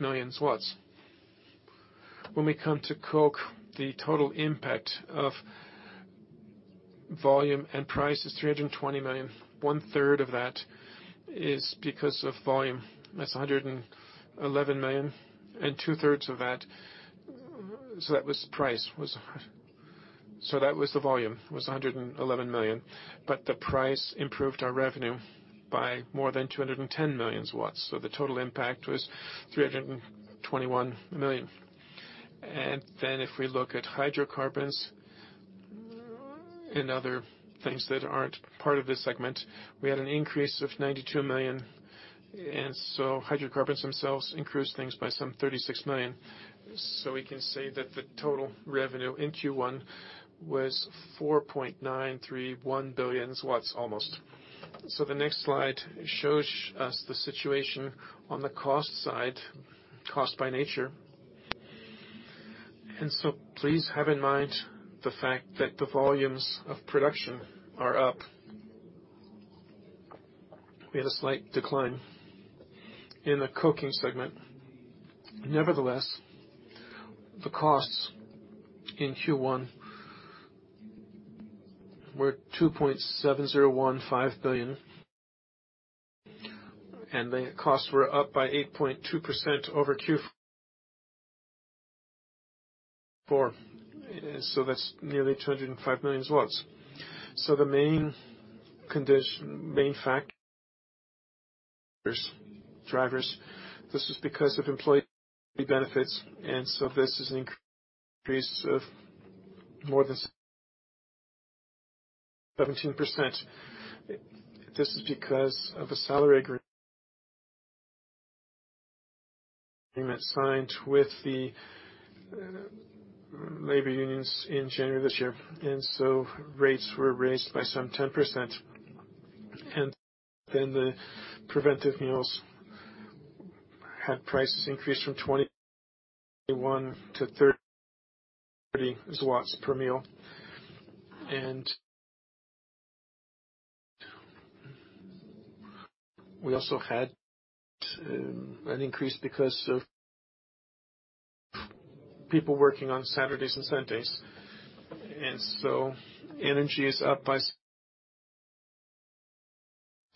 million PLN. When we come to coke, the total impact of volume and price is 320 million. One third of that is because of volume. That's 111 million. Two-thirds of that was price. The price improved our revenue by more than 210 million. The total impact was 321 million. If we look at hydrocarbons and other things that aren't part of this segment, we had an increase of 92 million. Hydrocarbons themselves increased things by some 36 million. We can say that the total revenue in Q1 was almost 4.931 billion. The next slide shows us the situation on the cost side, cost by nature. Please have in mind the fact that the volumes of production are up. We had a slight decline in the coking segment. Nevertheless, the costs in Q1 were PLN 2.7015 billion, and the costs were up by 8.2% over Q4. That's nearly 205 million. The main condition, main fact there's drivers. This is because of employee benefits, this is an increase of more than 17%. This is because of a salary agreement signed with the labor unions in January this year, rates were raised by some 10%. The preventive meals had prices increased from 21-30 per meal. We also had an increase because of people working on Saturdays and Sundays. Energy is up by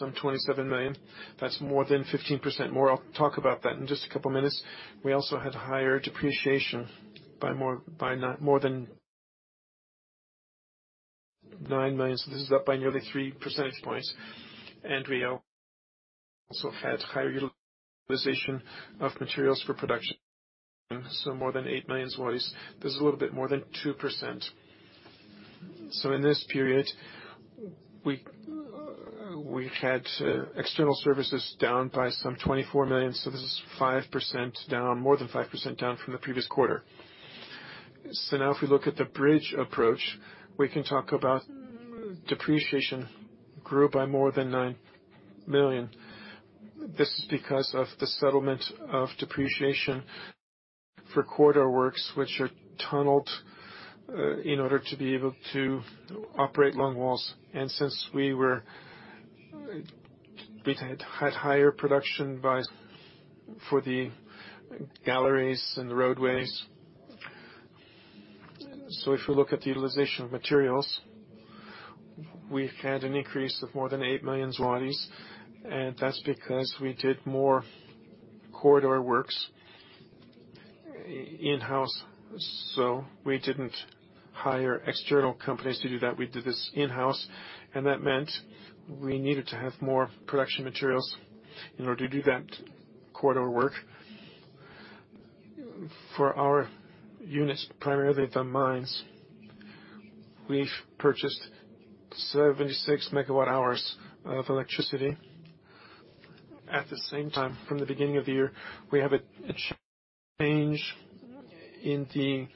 some 27 million. That's more than 15% more. I'll talk about that in just a couple of minutes. We also had higher depreciation by more than 9 million. This is up by nearly 3 percentage points. We also had higher utilization of materials for production, more than 8 million zlotys. This is a little bit more than 2%. In this period, we had external services down by some 24 million. This is 5% down, more than 5% down from the previous quarter. Now if we look at the bridge approach, we can talk about depreciation grew by more than 9 million. This is because of the settlement of depreciation for corridor works, which are tunneled in order to be able to operate long walls. Since we were, we had higher production for the galleries and the roadways. If we look at the utilization of materials. We've had an increase of more than 8 million zlotys, and that's because we did more corridor works in-house, so we didn't hire external companies to do that. We did this in-house, and that meant we needed to have more production materials in order to do that corridor work. For our units, primarily the mines, we've purchased 76 MWh of electricity. At the same time, from the beginning of the year, we have a change in the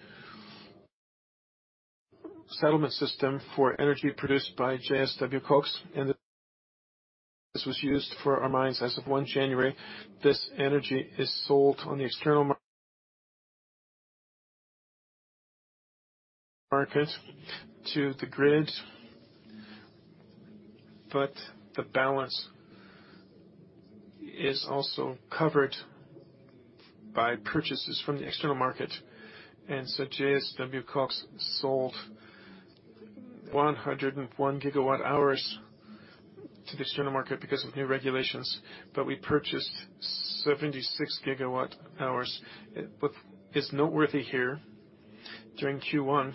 settlement system for energy produced by JSW Koks, and this was used for our mines as of 1 January. This energy is sold on the external market to the grid, but the balance is also covered by purchases from the external market. JSW Koks sold 101 GWh to the external market because of new regulations. We purchased 76 GWh. It's noteworthy here, during Q1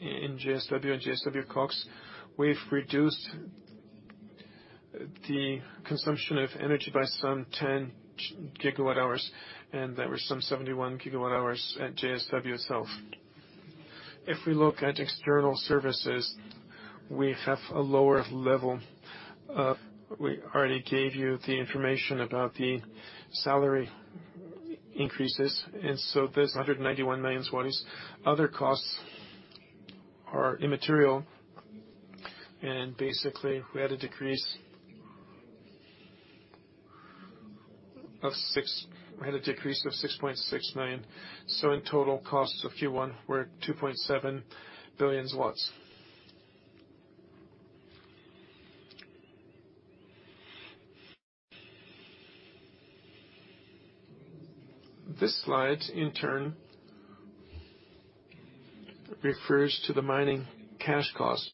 in JSW and JSW Koks, we've reduced the consumption of energy by some 10 GWh, and there were some 71 GWh at JSW itself. If we look at external services, we have a lower level of. We already gave you the information about the salary increases, and so there's 191 million zlotys. Other costs are immaterial, and basically, we had a decrease of 6.69%. In total, costs of Q1 were 2.7 billion. This slide, in turn, refers to the mining cash costs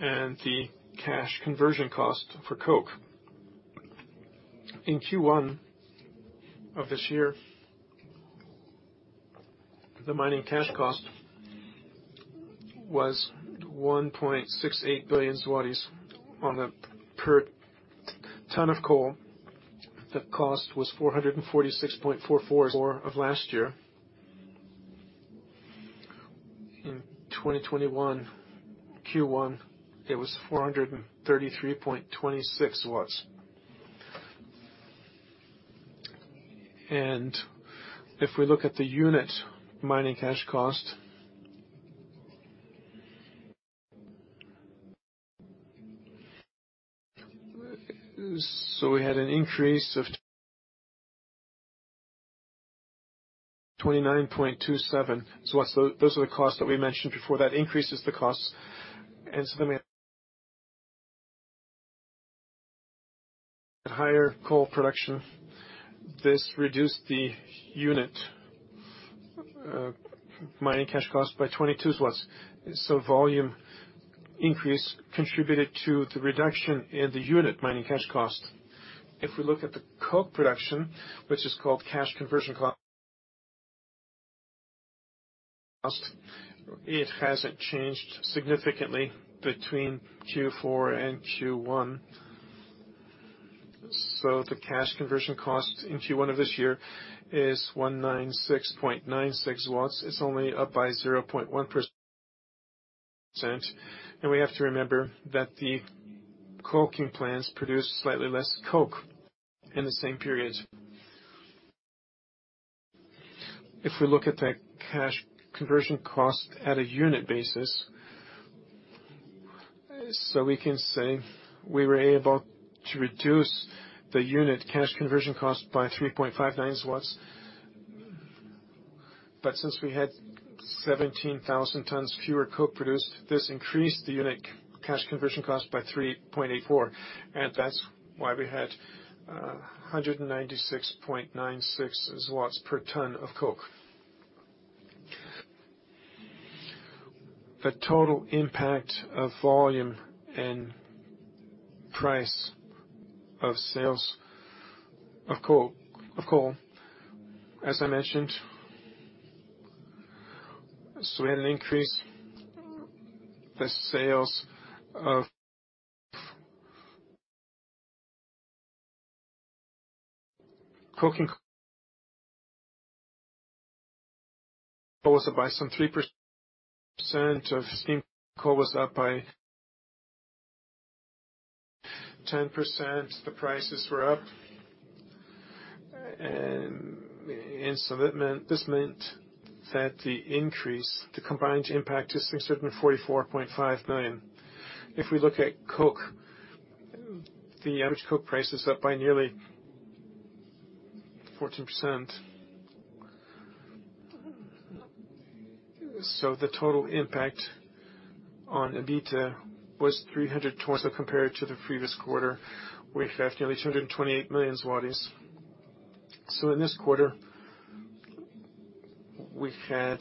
and the cash conversion cost for coke. In Q1 of this year, the mining cash cost was 1.68 billion zlotys on a per ton of coal. That cost was 446.44 of last year. In 2021, Q1, it was 433.26 PLN. If we look at the unit mining cash cost, we had an increase of 29.27. Those are the costs that we mentioned before. That increases the costs, and so then we have higher coal production. This reduced the unit mining cash cost by 22 zlotys. Volume increase contributed to the reduction in the unit mining cash cost. If we look at the coke production, which is called cash conversion cost, it hasn't changed significantly between Q4 and Q1. The cash conversion cost in Q1 of this year is 196.96. It's only up by 0.1%. We have to remember that the coking plants produce slightly less coke in the same period. If we look at the cash conversion cost at a unit basis, so we can say we were able to reduce the unit cash conversion cost by 3.59. Since we had 17,000 tons fewer coke produced, this increased the unit cash conversion cost by 3.84, and that's why we had a 196.96 per ton of coke. The total impact of volume and price of sales of coal, as I mentioned, we had an increase in the sales of coking also by some 3%, steam coal was up by 10%, the prices were up. That meant the combined impact is 644.5 million. If we look at coke, the average coke price is up by nearly 14%. The total impact on EBITDA was 300 towards. Compared to the previous quarter, we have nearly 228 million zlotys. In this quarter, we had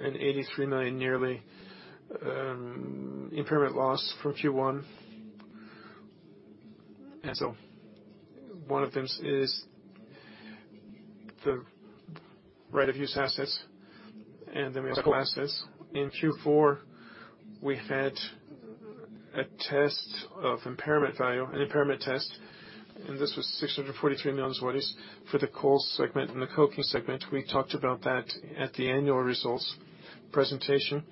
nearly 83 million impairment loss from Q1. One of them is the right-of-use assets, and then we have assets. In Q4, we had a test of impairment value, an impairment test, and this was 643 million zlotys for the coal segment and the coking segment. We talked about that at the annual results presentation.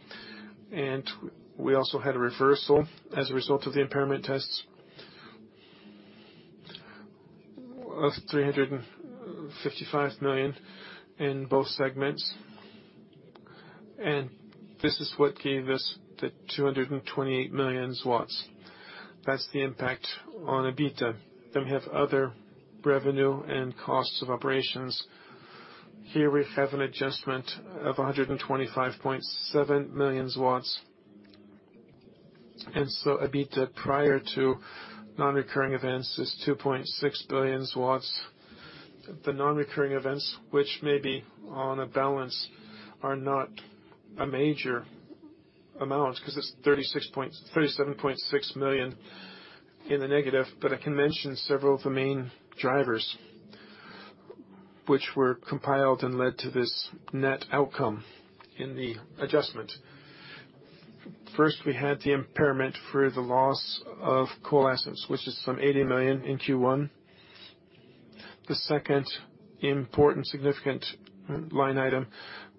We also had a reversal as a result of the impairment tests of 355 million in both segments. This is what gave us the 228 million. That's the impact on EBITDA. We have other revenue and costs of operations. Here we have an adjustment of 125.7 million. EBITDA, prior to non-recurring events, is 2.6 billion. The non-recurring events, which may be on a balance, are not a major amount because it's 37.6 million in the negative, but I can mention several of the main drivers which were compiled and led to this net outcome in the adjustment. First, we had the impairment for the loss of coal assets, which is some 80 million in Q1. The second important significant line item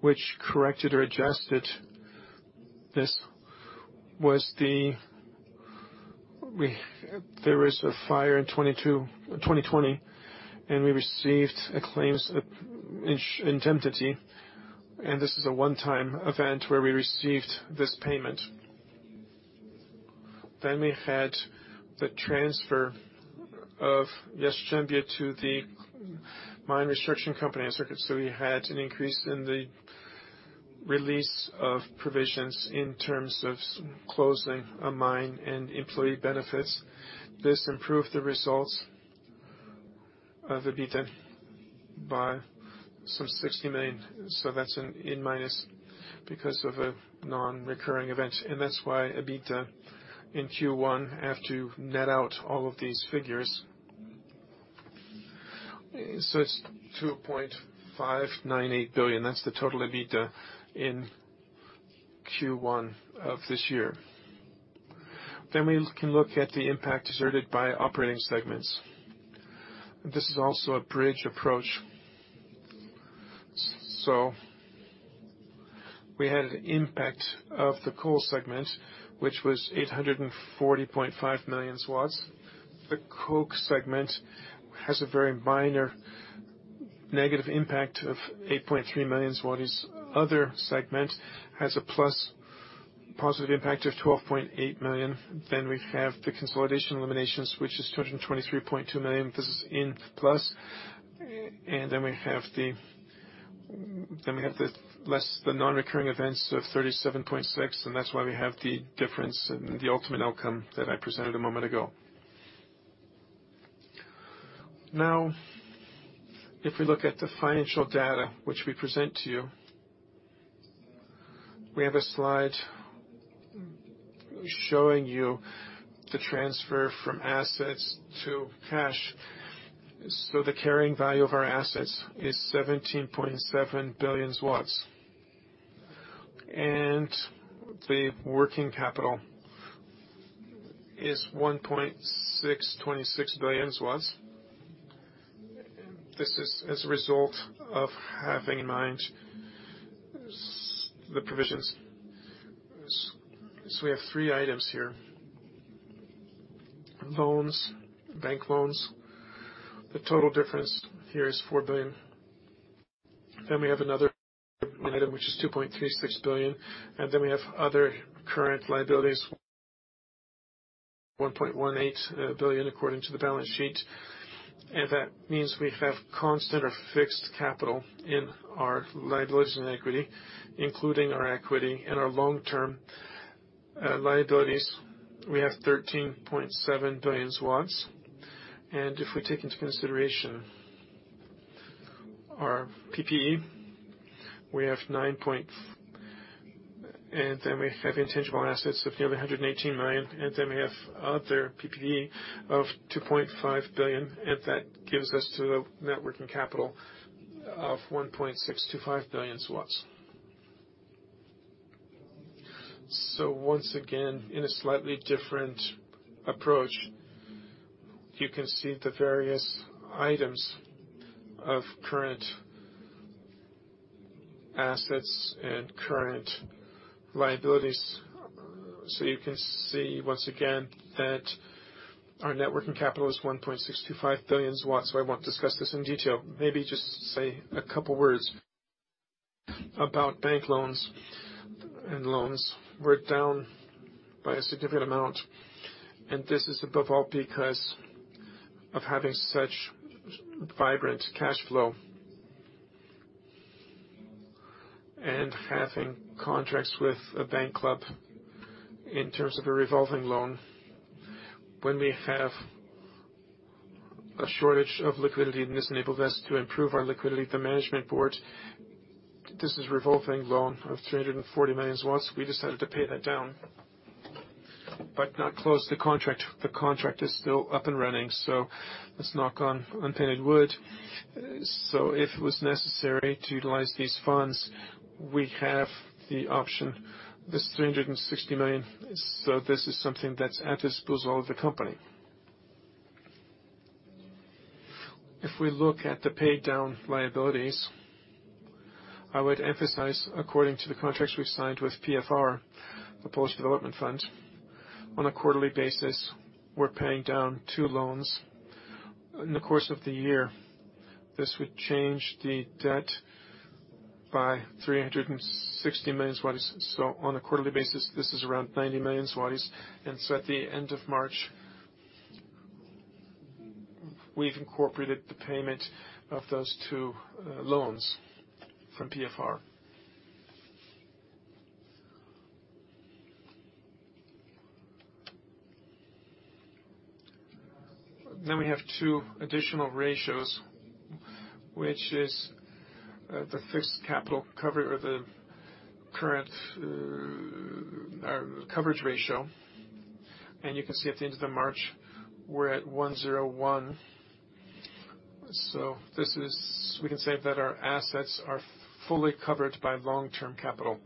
which corrected or adjusted this was. There was a fire in 2020, and we received a claims indemnity, and this is a one-time event where we received this payment. We had the transfer of Jastrzębie to the mine restructuring company, so we had an increase in the release of provisions in terms of closing a mine and employee benefits. This improved the results of EBITDA by 60 million. That's a minus because of a non-recurring event. That's why EBITDA in Q1, after you net out all of these figures, is 2.598 billion. That's the total EBITDA in Q1 of this year. We can look at the impact exerted by operating segments. This is also a bridge approach. We had an impact of the coal segment, which was 840.5 million. The coke segment has a very minor negative impact of 8.3 million zlotys. Other segment has a positive impact of 12.8 million. We have the consolidation eliminations, which is 223.2 million. This is a plus. Then we have the We have less the non-recurring events of 37.6, and that's why we have the difference in the ultimate outcome that I presented a moment ago. Now, if we look at the financial data which we present to you, we have a slide showing you the transfer from assets to cash. The carrying value of our assets is 17.7 billion, and the working capital is 1.626 billion. This is as a result of having in mind the provisions. We have three items here. Loans, bank loans. The total difference here is 4 billion. We have another item which is 2.36 billion, and then we have other current liabilities, 1.18 billion according to the balance sheet. That means we have constant or fixed capital in our liabilities and equity, including our equity and our long-term liabilities. We have 13.7 billion. If we take into consideration our PPE, we have intangible assets of nearly 118 million, and then we have other PPE of 2.5 billion, and that gives us the net working capital of 1.625 billion. Once again, in a slightly different approach, you can see the various items of current assets and current liabilities. You can see once again that our net working capital is 1.625 billion, so I won't discuss this in detail. Maybe just say a couple words about bank loans and loans. We're down by a significant amount, and this is above all because of having such vibrant cash flow. Having contracts with a bank club in terms of a revolving loan, when we have a shortage of liquidity, and this enabled us to improve our liquidity, the management board, this is revolving loan of 340 million. We decided to pay that down but not close the contract. The contract is still up and running, let's knock on unpainted wood. If it was necessary to utilize these funds, we have the option, this 360 million. This is something that's at the disposal of the company. If we look at the paid down liabilities, I would emphasize, according to the contracts we've signed with PFR, the Polish Development Fund, on a quarterly basis, we're paying down two loans. In the course of the year, this would change the debt by 360 million zlotys. On a quarterly basis, this is around 90 million zlotys. At the end of March, we've incorporated the payment of those two loans from PFR. We have two additional ratios, which is the fixed capital cover or the current coverage ratio. You can see at the end of March, we're at 101. This is. We can say that our assets are fully covered by long-term capital.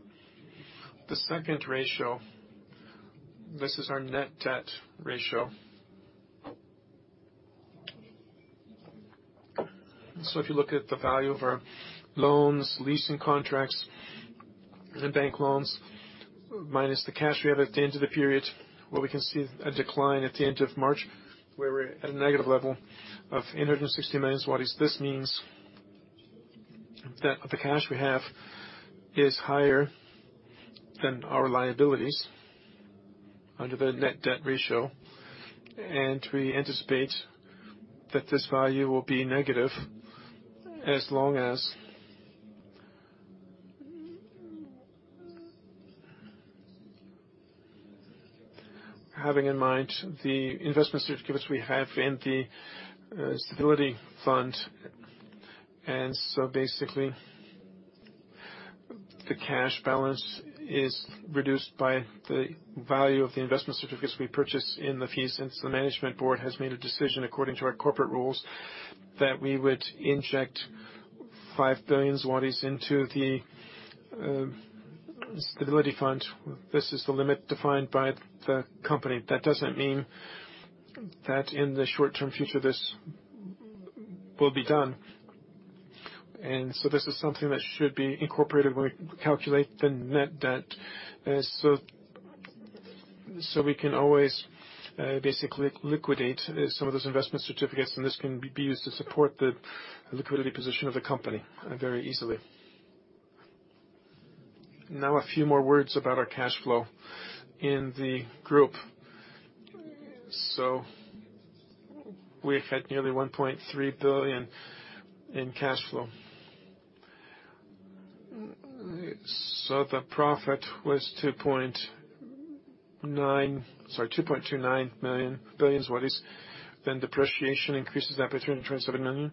The second ratio, this is our net debt ratio. If you look at the value of our loans, leasing contracts, and bank loans minus the cash we have at the end of the period, where we can see a decline at the end of March, where we're at a negative level of 860 million. This means that the cash we have is higher than our liabilities under the net debt ratio. We anticipate that this value will be negative as long as, having in mind the investment certificates we have in the stability fund. Basically, the cash balance is reduced by the value of the investment certificates we purchased in the PFR, since the management board has made a decision according to our corporate rules that we would inject 5 billion zlotys into the stability fund. This is the limit defined by the company. That doesn't mean that in the short-term future this will be done. This is something that should be incorporated when we calculate the net debt. We can always basically liquidate some of those investment certificates, and this can be used to support the liquidity position of the company very easily. Now, a few more words about our cash flow in the group. We've had nearly 1.3 billion in cash flow. The profit was two point two nine billion zlotys. Depreciation increases that by 327 million.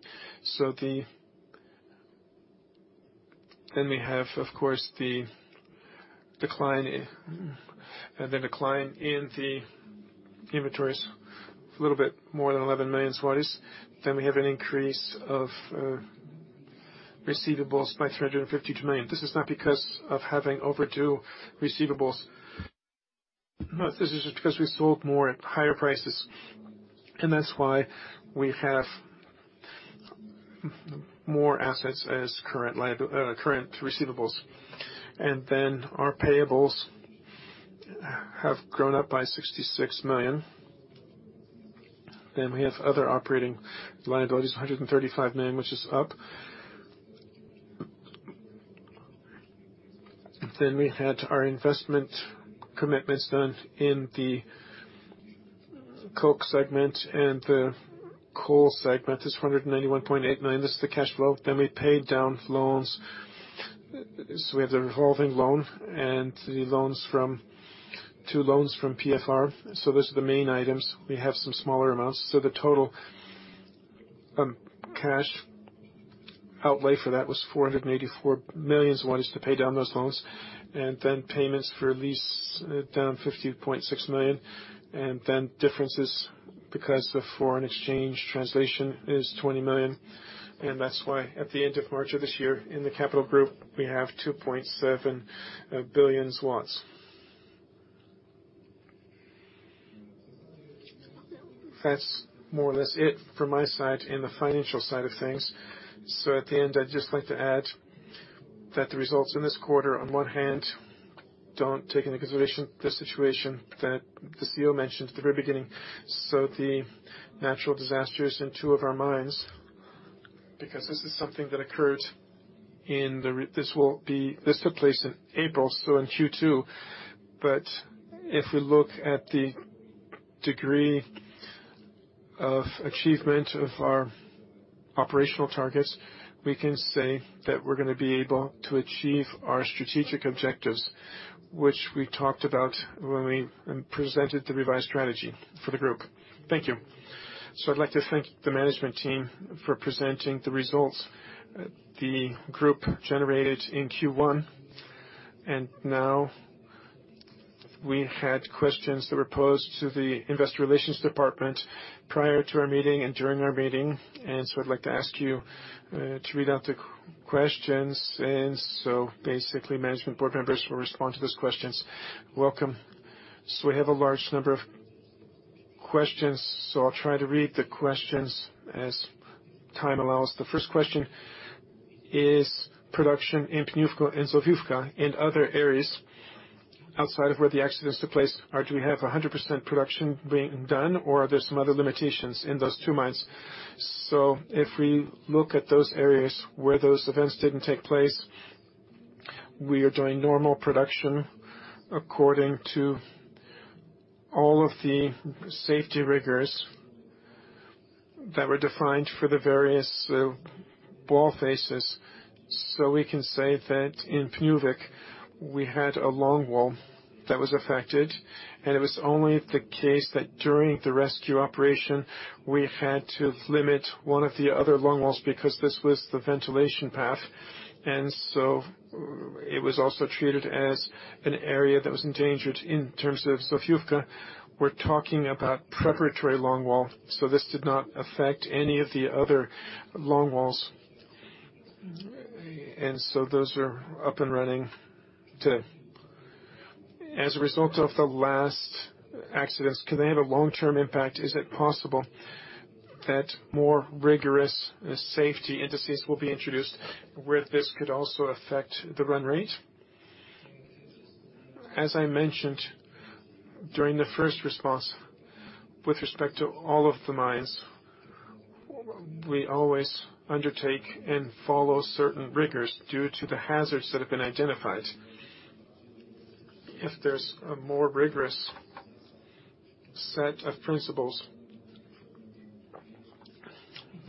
We have, of course, the decline in the inventories, a little bit more than 11 million zlotys. We have an increase of receivables by 352 million. This is not because of having overdue receivables. No, this is just because we sold more at higher prices, and that's why we have more assets as current receivables. Our payables have grown up by 66 million. We have other operating liabilities, 135 million, which is up. We had our investment commitments done in the coke segment and the coal segment. This is 191.8 million. This is the cash flow. We paid down loans. We have the revolving loan and the loans from two loans from PFR. Those are the main items. We have some smaller amounts. The total cash outlay for that was 484 million to pay down those loans. Payments for lease down 50.6 million. Differences because the foreign exchange translation is 20 million. That's why at the end of March of this year, in the Capital Group, we have 2.7 billion. That's more or less it from my side in the financial side of things. At the end, I'd just like to add that the results in this quarter, on one hand, don't take into consideration the situation that the CEO mentioned at the very beginning. The natural disasters in two of our mines, because this took place in April, so in Q2. If we look at the degree of achievement of our operational targets, we can say that we're gonna be able to achieve our strategic objectives, which we talked about when we presented the revised strategy for the group. Thank you. I'd like to thank the management team for presenting the results the group generated in Q1. Now we had questions that were posed to the investor relations department prior to our meeting and during our meeting, and I'd like to ask you to read out the questions, and basically management board members will respond to those questions. Welcome. We have a large number of questions, so I'll try to read the questions as time allows. The first question is production in Pniówek and Zofiówka and other areas outside of where the accidents took place. Or do we have 100% production being done, or are there some other limitations in those two mines? If we look at those areas where those events didn't take place, we are doing normal production according to all of the safety rigors that were defined for the various wall faces. We can say that in Pniówek, we had a long wall that was affected, and it was only the case that during the rescue operation, we had to limit one of the other long walls because this was the ventilation path. It was also treated as an area that was endangered. In terms of Zofiówka, we're talking about preparatory long wall, so this did not affect any of the other long walls. Those are up and running today. As a result of the last accidents, can they have a long-term impact? Is it possible that more rigorous safety indices will be introduced where this could also affect the run rate? As I mentioned during the first response, with respect to all of the mines, we always undertake and follow certain rigors due to the hazards that have been identified. If there's a more rigorous set of principles.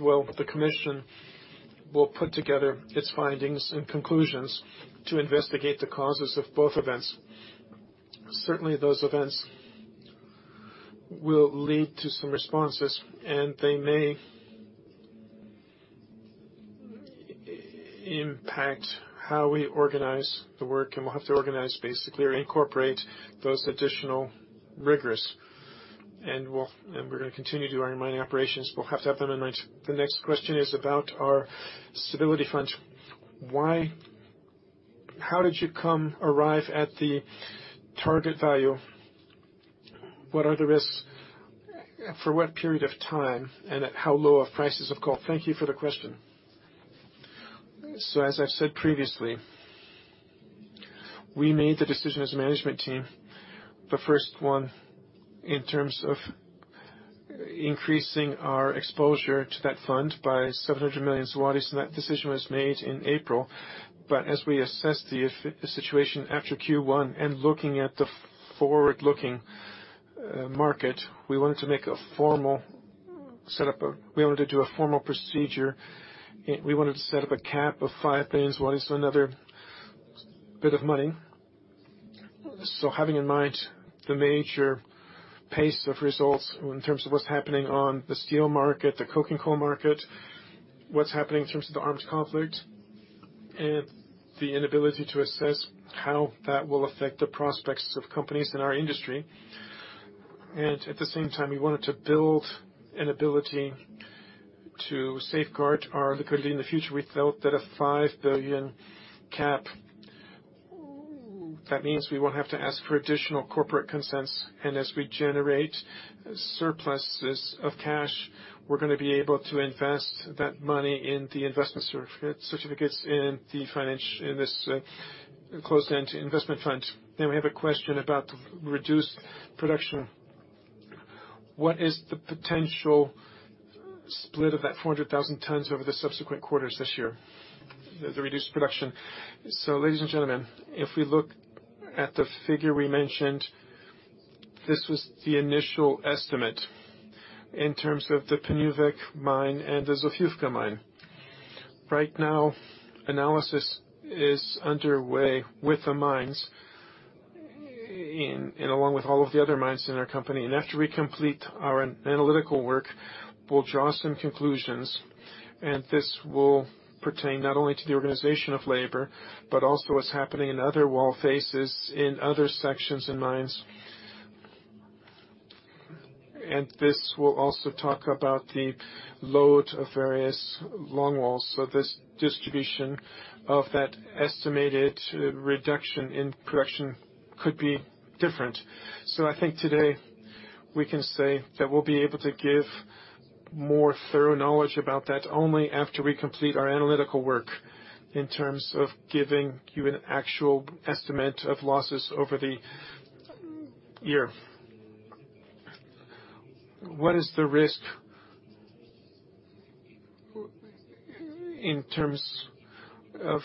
Well, the commission will put together its findings and conclusions to investigate the causes of both events. Certainly, those events will lead to some responses, and they may impact how we organize the work, and we'll have to organize basically or incorporate those additional rigors. We're gonna continue to do our mining operations. We'll have to have them in mind. The next question is about our stability fund. Why, how did you come, arrive at the target value? What are the risks? For what period of time, and at how low of prices of coal? Thank you for the question. As I've said previously, we made the decision as a management team, the first one in terms of increasing our exposure to that fund by 700 million zlotys, and that decision was made in April. As we assess the situation after Q1 and looking at the forward-looking market, we wanted to do a formal procedure. We wanted to set up a cap of 5 billion, so another bit of money. Having in mind the major pace of results in terms of what's happening on the steel market, the coking coal market, what's happening in terms of the armed conflict, and the inability to assess how that will affect the prospects of companies in our industry. At the same time, we wanted to build an ability to safeguard our liquidity in the future. We felt that a 5 billion cap, that means we won't have to ask for additional corporate consents. As we generate surpluses of cash, we're gonna be able to invest that money in the investment certificates in this closed-end investment fund. We have a question about the reduced production. What is the potential split of that 400,000 tons over the subsequent quarters this year, the reduced production? Ladies and gentlemen, if we look at the figure we mentioned, this was the initial estimate in terms of the Pniówek mine and the Zofiówka mine. Right now, analysis is underway with the mines and along with all of the other mines in our company. After we complete our analytical work, we'll draw some conclusions, and this will pertain not only to the organization of labor, but also what's happening in other wall faces in other sections and mines. This will also talk about the load of various long walls. This distribution of that estimated reduction in production could be different. I think today we can say that we'll be able to give more thorough knowledge about that only after we complete our analytical work in terms of giving you an actual estimate of losses over the year. What is the risk in terms of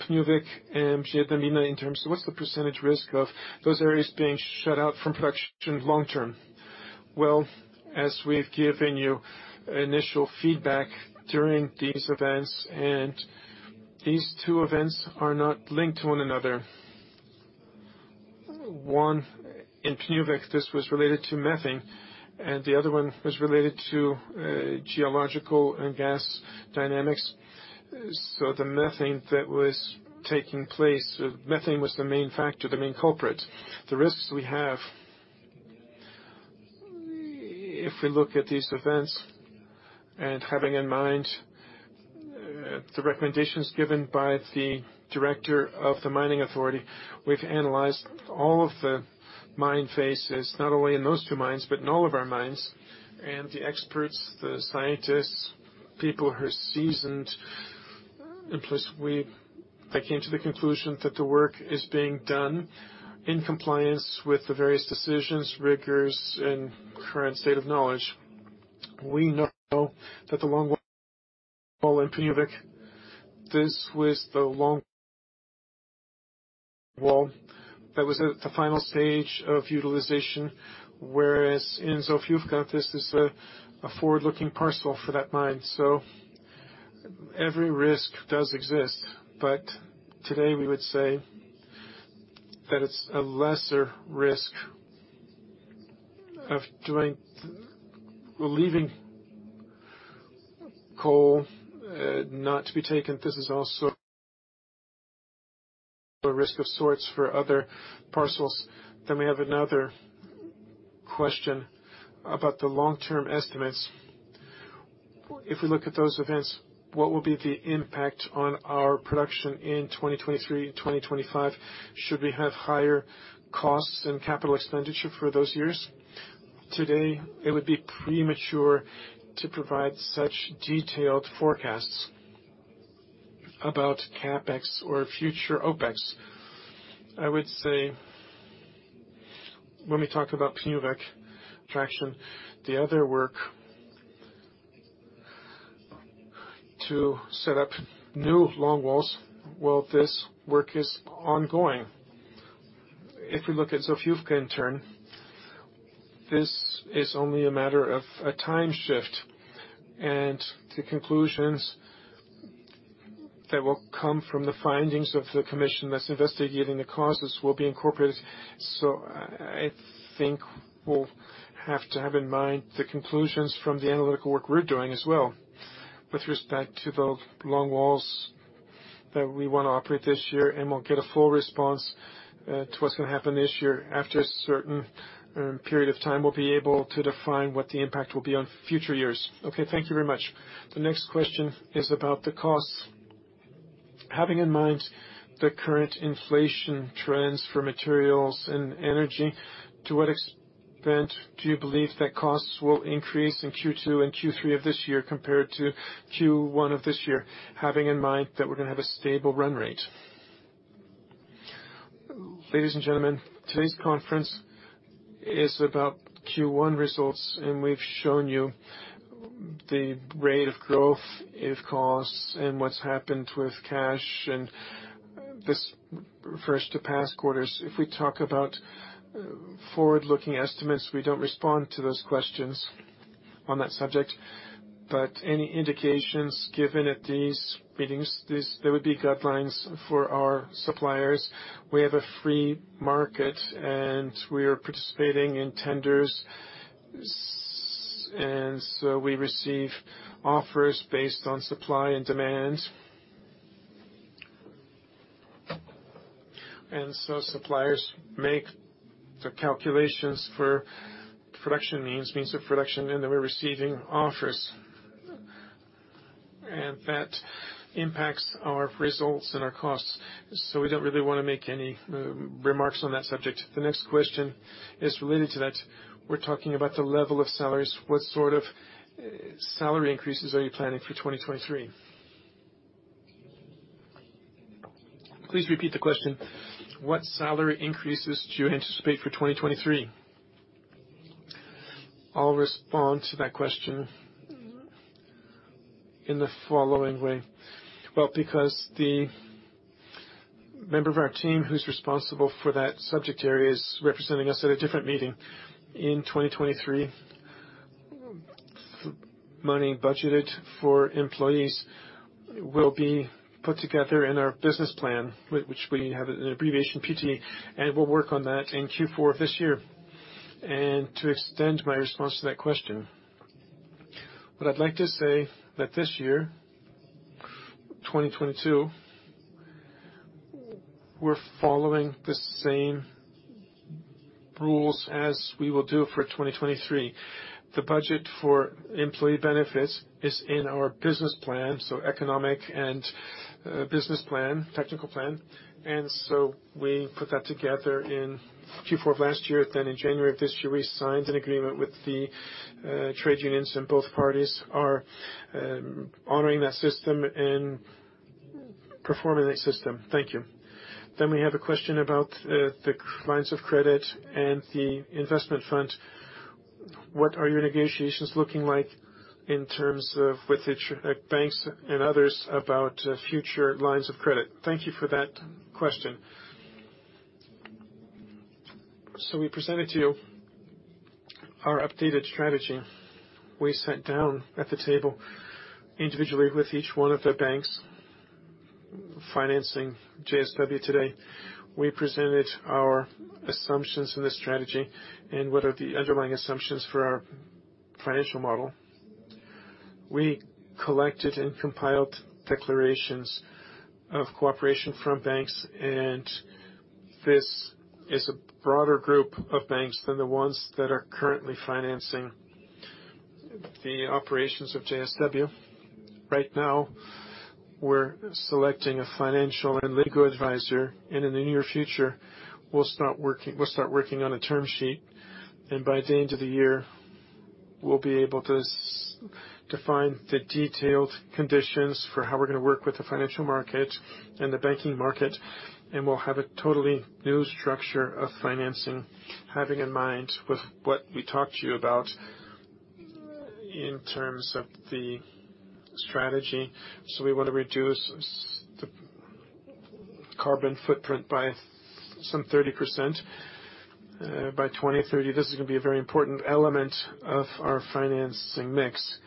Pniówek and Zofiówka in terms of what's the percentage risk of those areas being shut out from production long term? Well, as we've given you initial feedback during these events, and these two events are not linked to one another. One in Pniówek, this was related to methane, and the other one was related to geological and gas dynamics. The methane that was taking place, methane was the main factor, the main culprit. The risks we have, if we look at these events and having in mind the recommendations given by the director of the mining authority, we've analyzed all of the mine phases, not only in those two mines, but in all of our mines, and the experts, the scientists, people who are seasoned. I came to the conclusion that the work is being done in compliance with the various decisions, rigors, and current state of knowledge. We know that the long wall in Pniówek, this was the long wall. That was at the final stage of utilization, whereas in Zofiówka, this is a forward-looking parcel for that mine. Every risk does exist, but today we would say that it's a lesser risk of leaving coal not to be taken. This is also a risk of sorts for other panels. We have another question about the long-term estimates. If we look at those events, what will be the impact on our production in 2023, 2025? Should we have higher costs and capital expenditure for those years? Today, it would be premature to provide such detailed forecasts about CapEx or future OpEx. I would say when we talk about Pniówek production, the other work to set up new long walls, this work is ongoing. If we look at Zofiówka in turn, this is only a matter of a time shift, and the conclusions that will come from the findings of the commission that's investigating the causes will be incorporated. I think we'll have to have in mind the conclusions from the analytical work we're doing as well with respect to the long walls that we want to operate this year, and we'll get a full response to what's gonna happen this year. After a certain period of time, we'll be able to define what the impact will be on future years. Okay. Thank you very much. The next question is about the costs. Having in mind the current inflation trends for materials and energy, to what extent do you believe that costs will increase in Q2 and Q3 of this year compared to Q1 of this year, having in mind that we're gonna have a stable run rate? Ladies and gentlemen, today's conference is about Q1 results, and we've shown you the rate of growth of costs and what's happened with cash, and this refers to past quarters. If we talk about forward-looking estimates, we don't respond to those questions on that subject. Any indications given at these meetings, these would be guidelines for our suppliers. We have a free market, and we are participating in tenders, and so we receive offers based on supply and demand. Suppliers make the calculations for means of production, and then we're receiving offers. That impacts our results and our costs. We don't really wanna make any remarks on that subject. The next question is related to that. We're talking about the level of salaries. What sort of salary increases are you planning for 2023? Please repeat the question. What salary increases do you anticipate for 2023? I'll respond to that question in the following way. Well, because the member of our team who's responsible for that subject area is representing us at a different meeting in 2023, money budgeted for employees will be put together in our business plan, which we have an abbreviation, PT, and we'll work on that in Q4 of this year. To extend my response to that question, what I'd like to say that this year, 2022, we're following the same rules as we will do for 2023. The budget for employee benefits is in our business plan, so economic and business plan, technical plan. We put that together in Q4 of last year. In January of this year, we signed an agreement with the trade unions, and both parties are honoring that system and performing a system. Thank you. We have a question about the lines of credit and the investment fund. What are your negotiations looking like in terms of with the banks and others about future lines of credit? Thank you for that question. We presented to you our updated strategy. We sat down at the table individually with each one of the banks financing JSW today. We presented our assumptions in the strategy and what are the underlying assumptions for our financial model. We collected and compiled declarations of cooperation from banks, and this is a broader group of banks than the ones that are currently financing the operations of JSW. Right now, we're selecting a financial and legal advisor, and in the near future, we'll start working on a term sheet, and by the end of the year, we'll be able to find the detailed conditions for how we're gonna work with the financial market and the banking market, and we'll have a totally new structure of financing, having in mind with what we talked to you about in terms of the strategy. We want to reduce the carbon footprint by some 30%, by 2030. This is gonna be a very important element of our financing mix.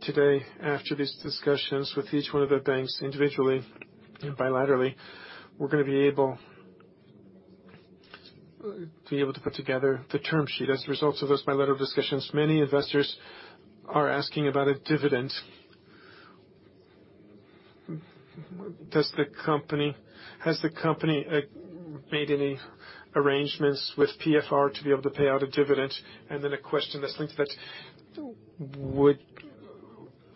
Today, after these discussions with each one of the banks individually bilaterally, we're gonna be able to put together the term sheet. As a result of those bilateral discussions, many investors are asking about a dividend. Has the company made any arrangements with PFR to be able to pay out a dividend? A question that's linked to that, would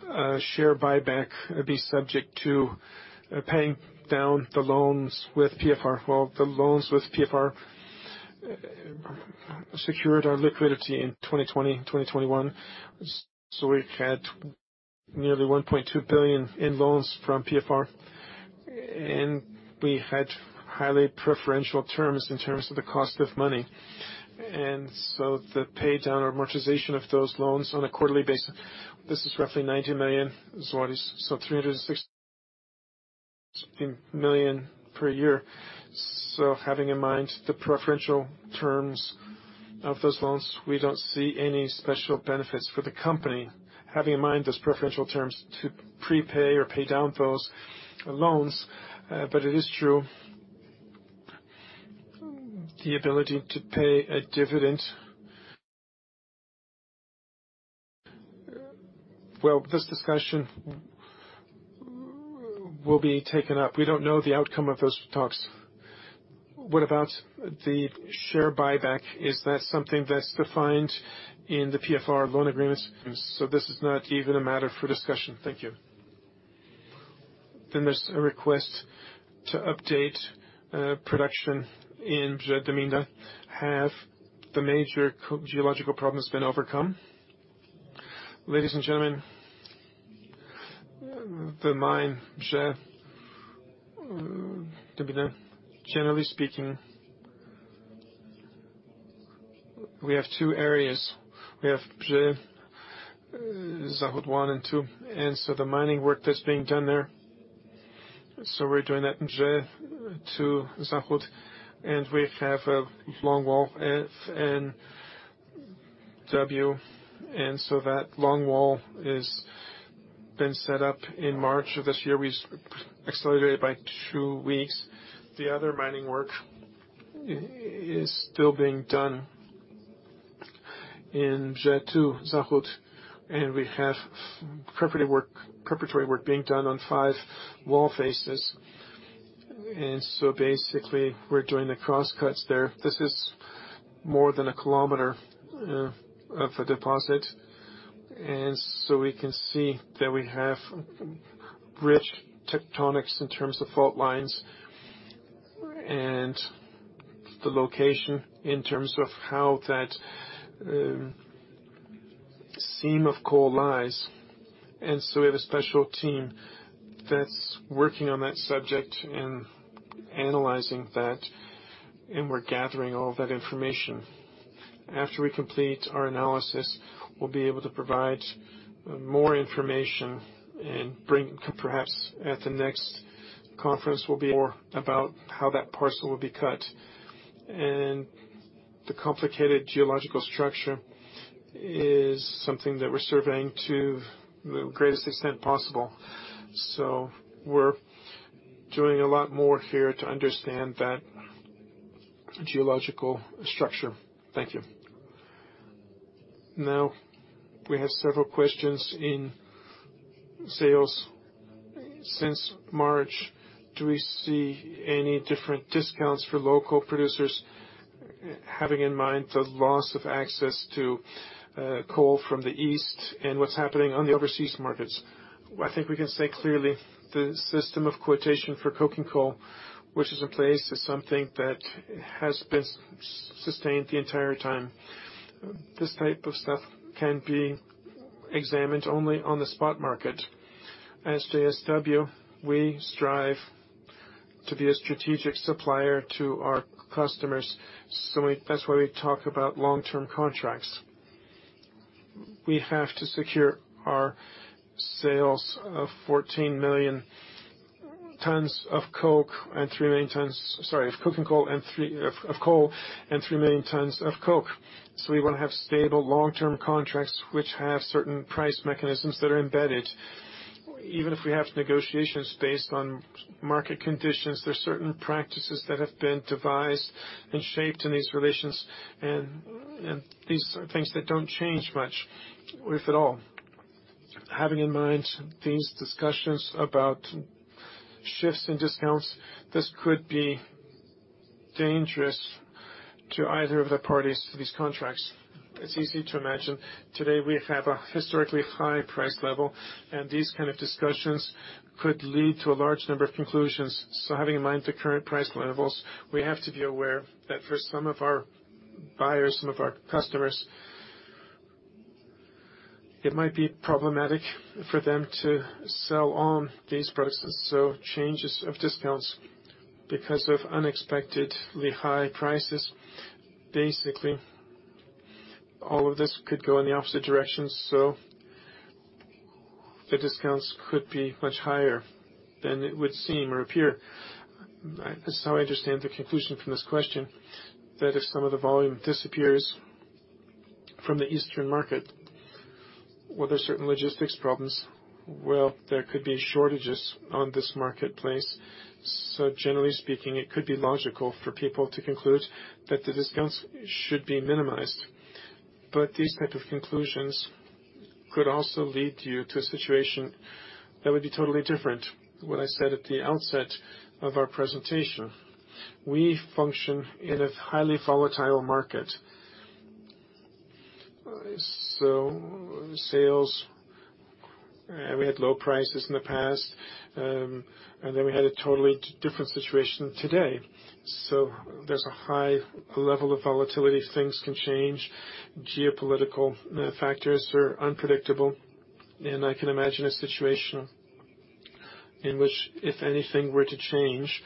a share buyback be subject to paying down the loans with PFR? Well, the loans with PFR secured our liquidity in 2020, 2021. We had nearly 1.2 billion in loans from PFR, and we had highly preferential terms in terms of the cost of money. The pay down or amortization of those loans on a quarterly basis. This is roughly 90 million zlotys, so 360 million per year. Having in mind the preferential terms of those loans, we don't see any special benefits for the company, having in mind those preferential terms to prepay or pay down those loans. It is true, the ability to pay a dividend. Well, this discussion will be taken up. We don't know the outcome of those talks. What about the share buyback? Is that something that's defined in the PFR loan agreements? This is not even a matter for discussion. Thank you. There's a request to update production in the mine. Have the major geological problems been overcome? Ladies and gentlemen, the mine, Bzie, generally speaking, we have two areas. We have Bzie Zachód 1 and 2. The mining work that's being done there. We're doing that in Bzie 2-Zachód, and we have a longwall, F and W. That longwall has been set up in March of this year. We accelerated by 2 weeks. The other mining work is still being done in Bzie-Dębina 2-Zachód, and we have preparatory work being done on five wall faces. Basically, we're doing the cross cuts there. This is more than a kilometer of a deposit. We can see that we have rich tectonics in terms of fault lines and the location in terms of how that seam of coal lies. We have a special team that's working on that subject and analyzing that, and we're gathering all that information. After we complete our analysis, we'll be able to provide more information and bring perhaps at the next conference will be more about how that parcel will be cut. The complicated geological structure is something that we're surveying to the greatest extent possible. We're doing a lot more here to understand that geological structure. Thank you. Now, we have several questions in sales. Since March, do we see any different discounts for local producers having in mind the loss of access to coal from the east and what's happening on the overseas markets? I think we can say clearly the system of quotation for coking coal, which is in place, is something that has been sustained the entire time. This type of stuff can be examined only on the spot market. As JSW, we strive to be a strategic supplier to our customers. That's why we talk about long-term contracts. We have to secure our sales of 14 million tons of coking coal and 3 million tons of coke. We want to have stable long-term contracts which have certain price mechanisms that are embedded. Even if we have negotiations based on market conditions, there are certain practices that have been devised and shaped in these relations. These are things that don't change much, if at all. Having in mind these discussions about shifts in discounts, this could be dangerous to either of the parties to these contracts. It's easy to imagine today we have a historically high price level, and these kind of discussions could lead to a large number of conclusions. Having in mind the current price levels, we have to be aware that for some of our buyers, some of our customers, it might be problematic for them to sell on these products. Changes of discounts because of unexpectedly high prices. Basically, all of this could go in the opposite direction, so the discounts could be much higher than it would seem or appear. This is how I understand the conclusion from this question, that if some of the volume disappears from the Eastern market where there are certain logistics problems, well, there could be shortages on this marketplace. Generally speaking, it could be logical for people to conclude that the discounts should be minimized. These type of conclusions could also lead you to a situation that would be totally different. What I said at the outset of our presentation, we function in a highly volatile market. Sales, we had low prices in the past, and then we had a totally different situation today. There's a high level of volatility. Things can change. Geopolitical factors are unpredictable. I can imagine a situation in which, if anything were to change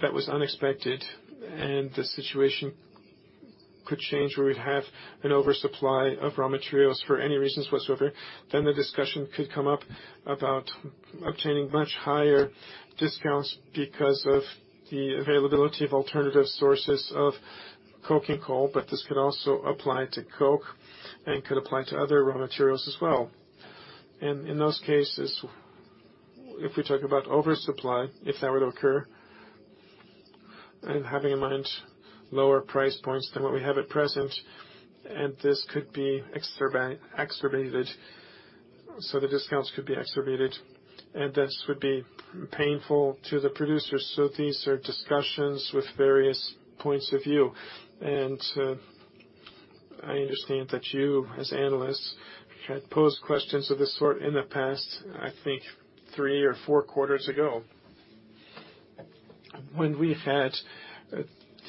that was unexpected, and the situation could change, where we'd have an oversupply of raw materials for any reasons whatsoever, then the discussion could come up about obtaining much higher discounts because of the availability of alternative sources of coking coal, but this could also apply to coke and could apply to other raw materials as well. In those cases, if we talk about oversupply, if that were to occur, and having in mind lower price points than what we have at present, and this could be exacerbated, so the discounts could be exacerbated, and this would be painful to the producers. These are discussions with various points of view. I understand that you, as analysts, had posed questions of this sort in the past, I think three or four quarters ago, when we had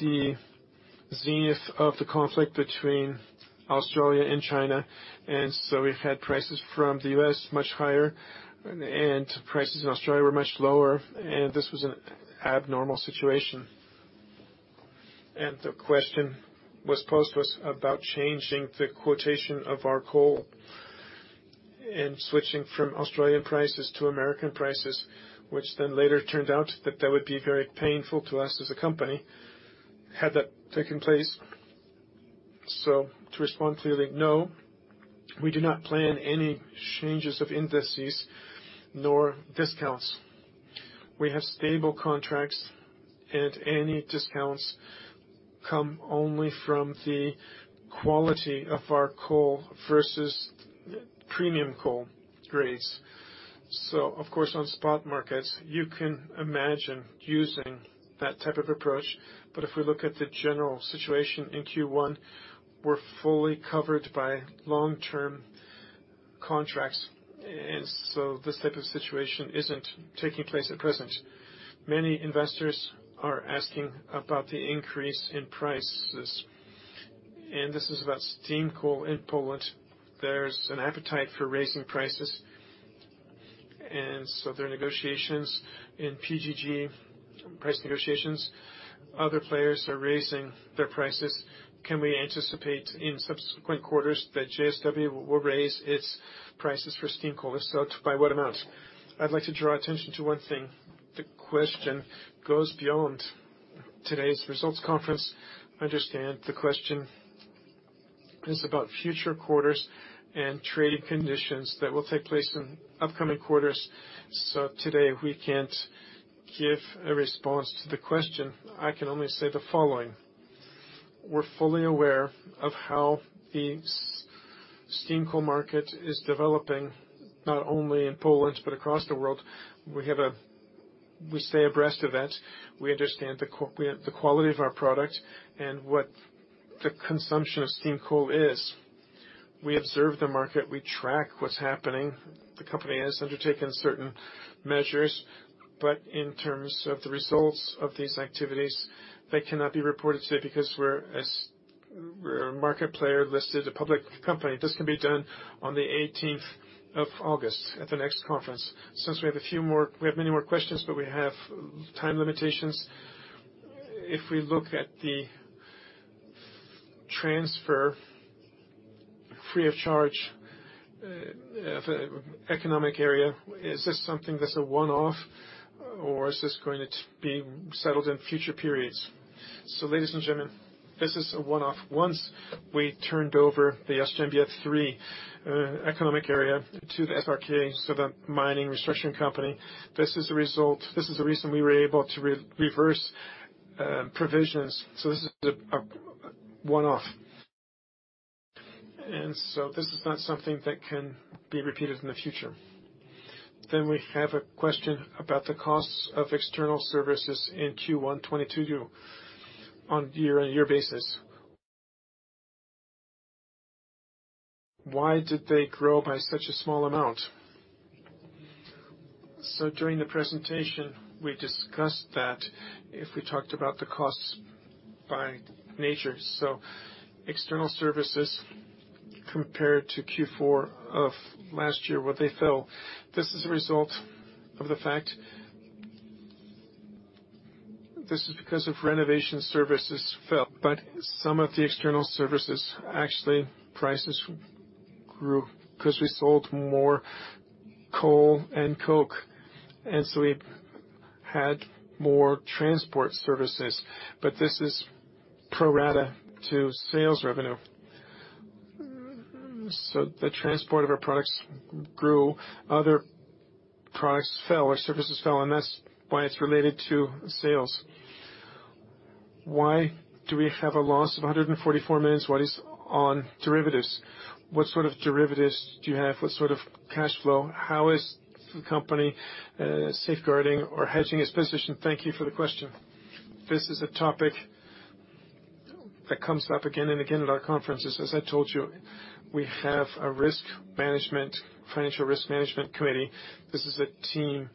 the zenith of the conflict between Australia and China. We've had prices from the U.S. much higher and prices in Australia were much lower, and this was an abnormal situation. The question was posed to us about changing the quotation of our coal and switching from Australian prices to American prices, which then later turned out that that would be very painful to us as a company, had that taken place. To respond clearly, no, we do not plan any changes of indices nor discounts. We have stable contracts, and any discounts come only from the quality of our coal versus premium coal grades. Of course, on spot markets, you can imagine using that type of approach. If we look at the general situation in Q1, we're fully covered by long-term contracts. This type of situation isn't taking place at present. Many investors are asking about the increase in prices, and this is about steam coal in Poland. There's an appetite for raising prices, and so there are negotiations in PGG, price negotiations. Other players are raising their prices. Can we anticipate in subsequent quarters that JSW will raise its prices for steam coal? If so, by what amount? I'd like to draw attention to one thing. The question goes beyond today's results conference. I understand the question is about future quarters and trading conditions that will take place in upcoming quarters. Today, we can't give a response to the question. I can only say the following. We're fully aware of how the steam coal market is developing, not only in Poland but across the world. We stay abreast of that. We understand the quality of our product and what the consumption of steam coal is. We observe the market. We track what's happening. The company has undertaken certain measures. In terms of the results of these activities, they cannot be reported today because we're a market player listed as a public company. This can be done on the eighteenth of August at the next conference. Since we have many more questions, but we have time limitations. If we look at the transfer free of charge of economic area, is this something that's a one-off, or is this going to be settled in future periods? Ladies and gentlemen, this is a one-off. Once we turned over the JMBF 3 economic area to the SRK, so the mining restructuring company, this is the result. This is the reason we were able to reverse provisions, so this is a one-off. This is not something that can be repeated in the future. We have a question about the costs of external services in Q1 2022 on year-on-year basis. Why did they grow by such a small amount? During the presentation, we discussed that if we talked about the costs by nature, so external services compared to Q4 of last year, where they fell. This is a result of the fact... This is because of renovation services fell, but some of the external services, actually, prices grew because we sold more coal and coke, and so we've had more transport services. This is pro rata to sales revenue. The transport of our products grew. Other products fell, or services fell, and that's why it's related to sales. Why do we have a loss of 144 million? What is on derivatives? What sort of derivatives do you have? What sort of cash flow? How is the company safeguarding or hedging its position? Thank you for the question. This is a topic that comes up again and again at our conferences. As I told you, we have a risk management financial risk management committee. This is a team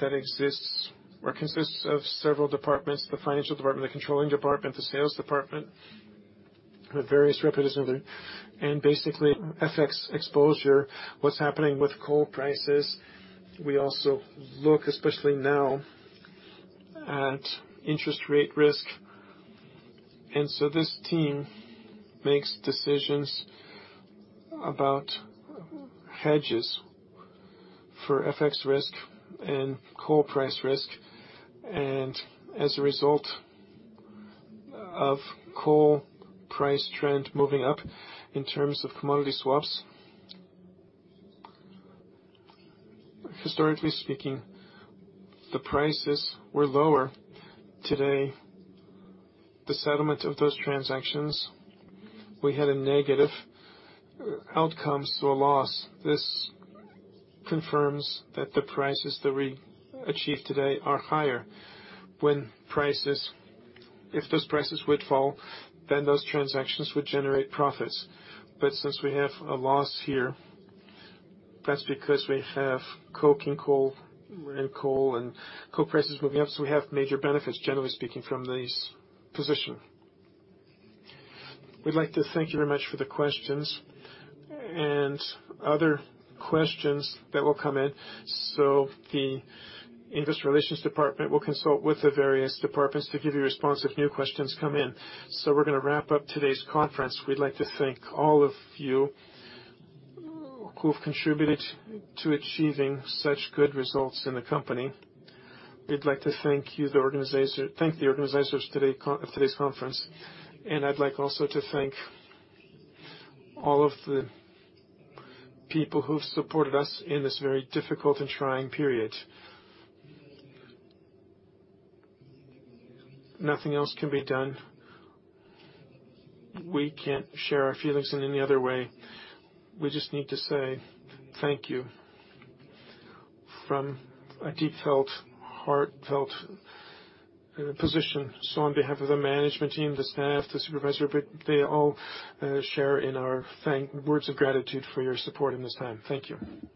that exists or consists of several departments, the financial department, the controlling department, the sales department, various representatives. Basically, FX exposure, what's happening with coal prices. We also look, especially now, at interest rate risk. This team makes decisions about hedges for FX risk and coal price risk. As a result of coal price trend moving up in terms of commodity swaps, historically speaking, the prices were lower. Today, the settlement of those transactions, we had a negative outcome, so a loss. This confirms that the prices that we achieve today are higher. If those prices would fall, then those transactions would generate profits. Since we have a loss here, that's because we have coking coal and coal prices moving up, so we have major benefits, generally speaking, from this position. We'd like to thank you very much for the questions and other questions that will come in. The investor relations department will consult with the various departments to give you a response if new questions come in. We're gonna wrap up today's conference. We'd like to thank all of you who've contributed to achieving such good results in the company. We'd like to thank the organizers of today's conference. I'd like also to thank all of the people who've supported us in this very difficult and trying period. Nothing else can be done. We can't share our feelings in any other way. We just need to say thank you from a deeply felt, heartfelt position. On behalf of the management team, the staff, the supervisor, they all share in our words of gratitude for your support in this time. Thank you.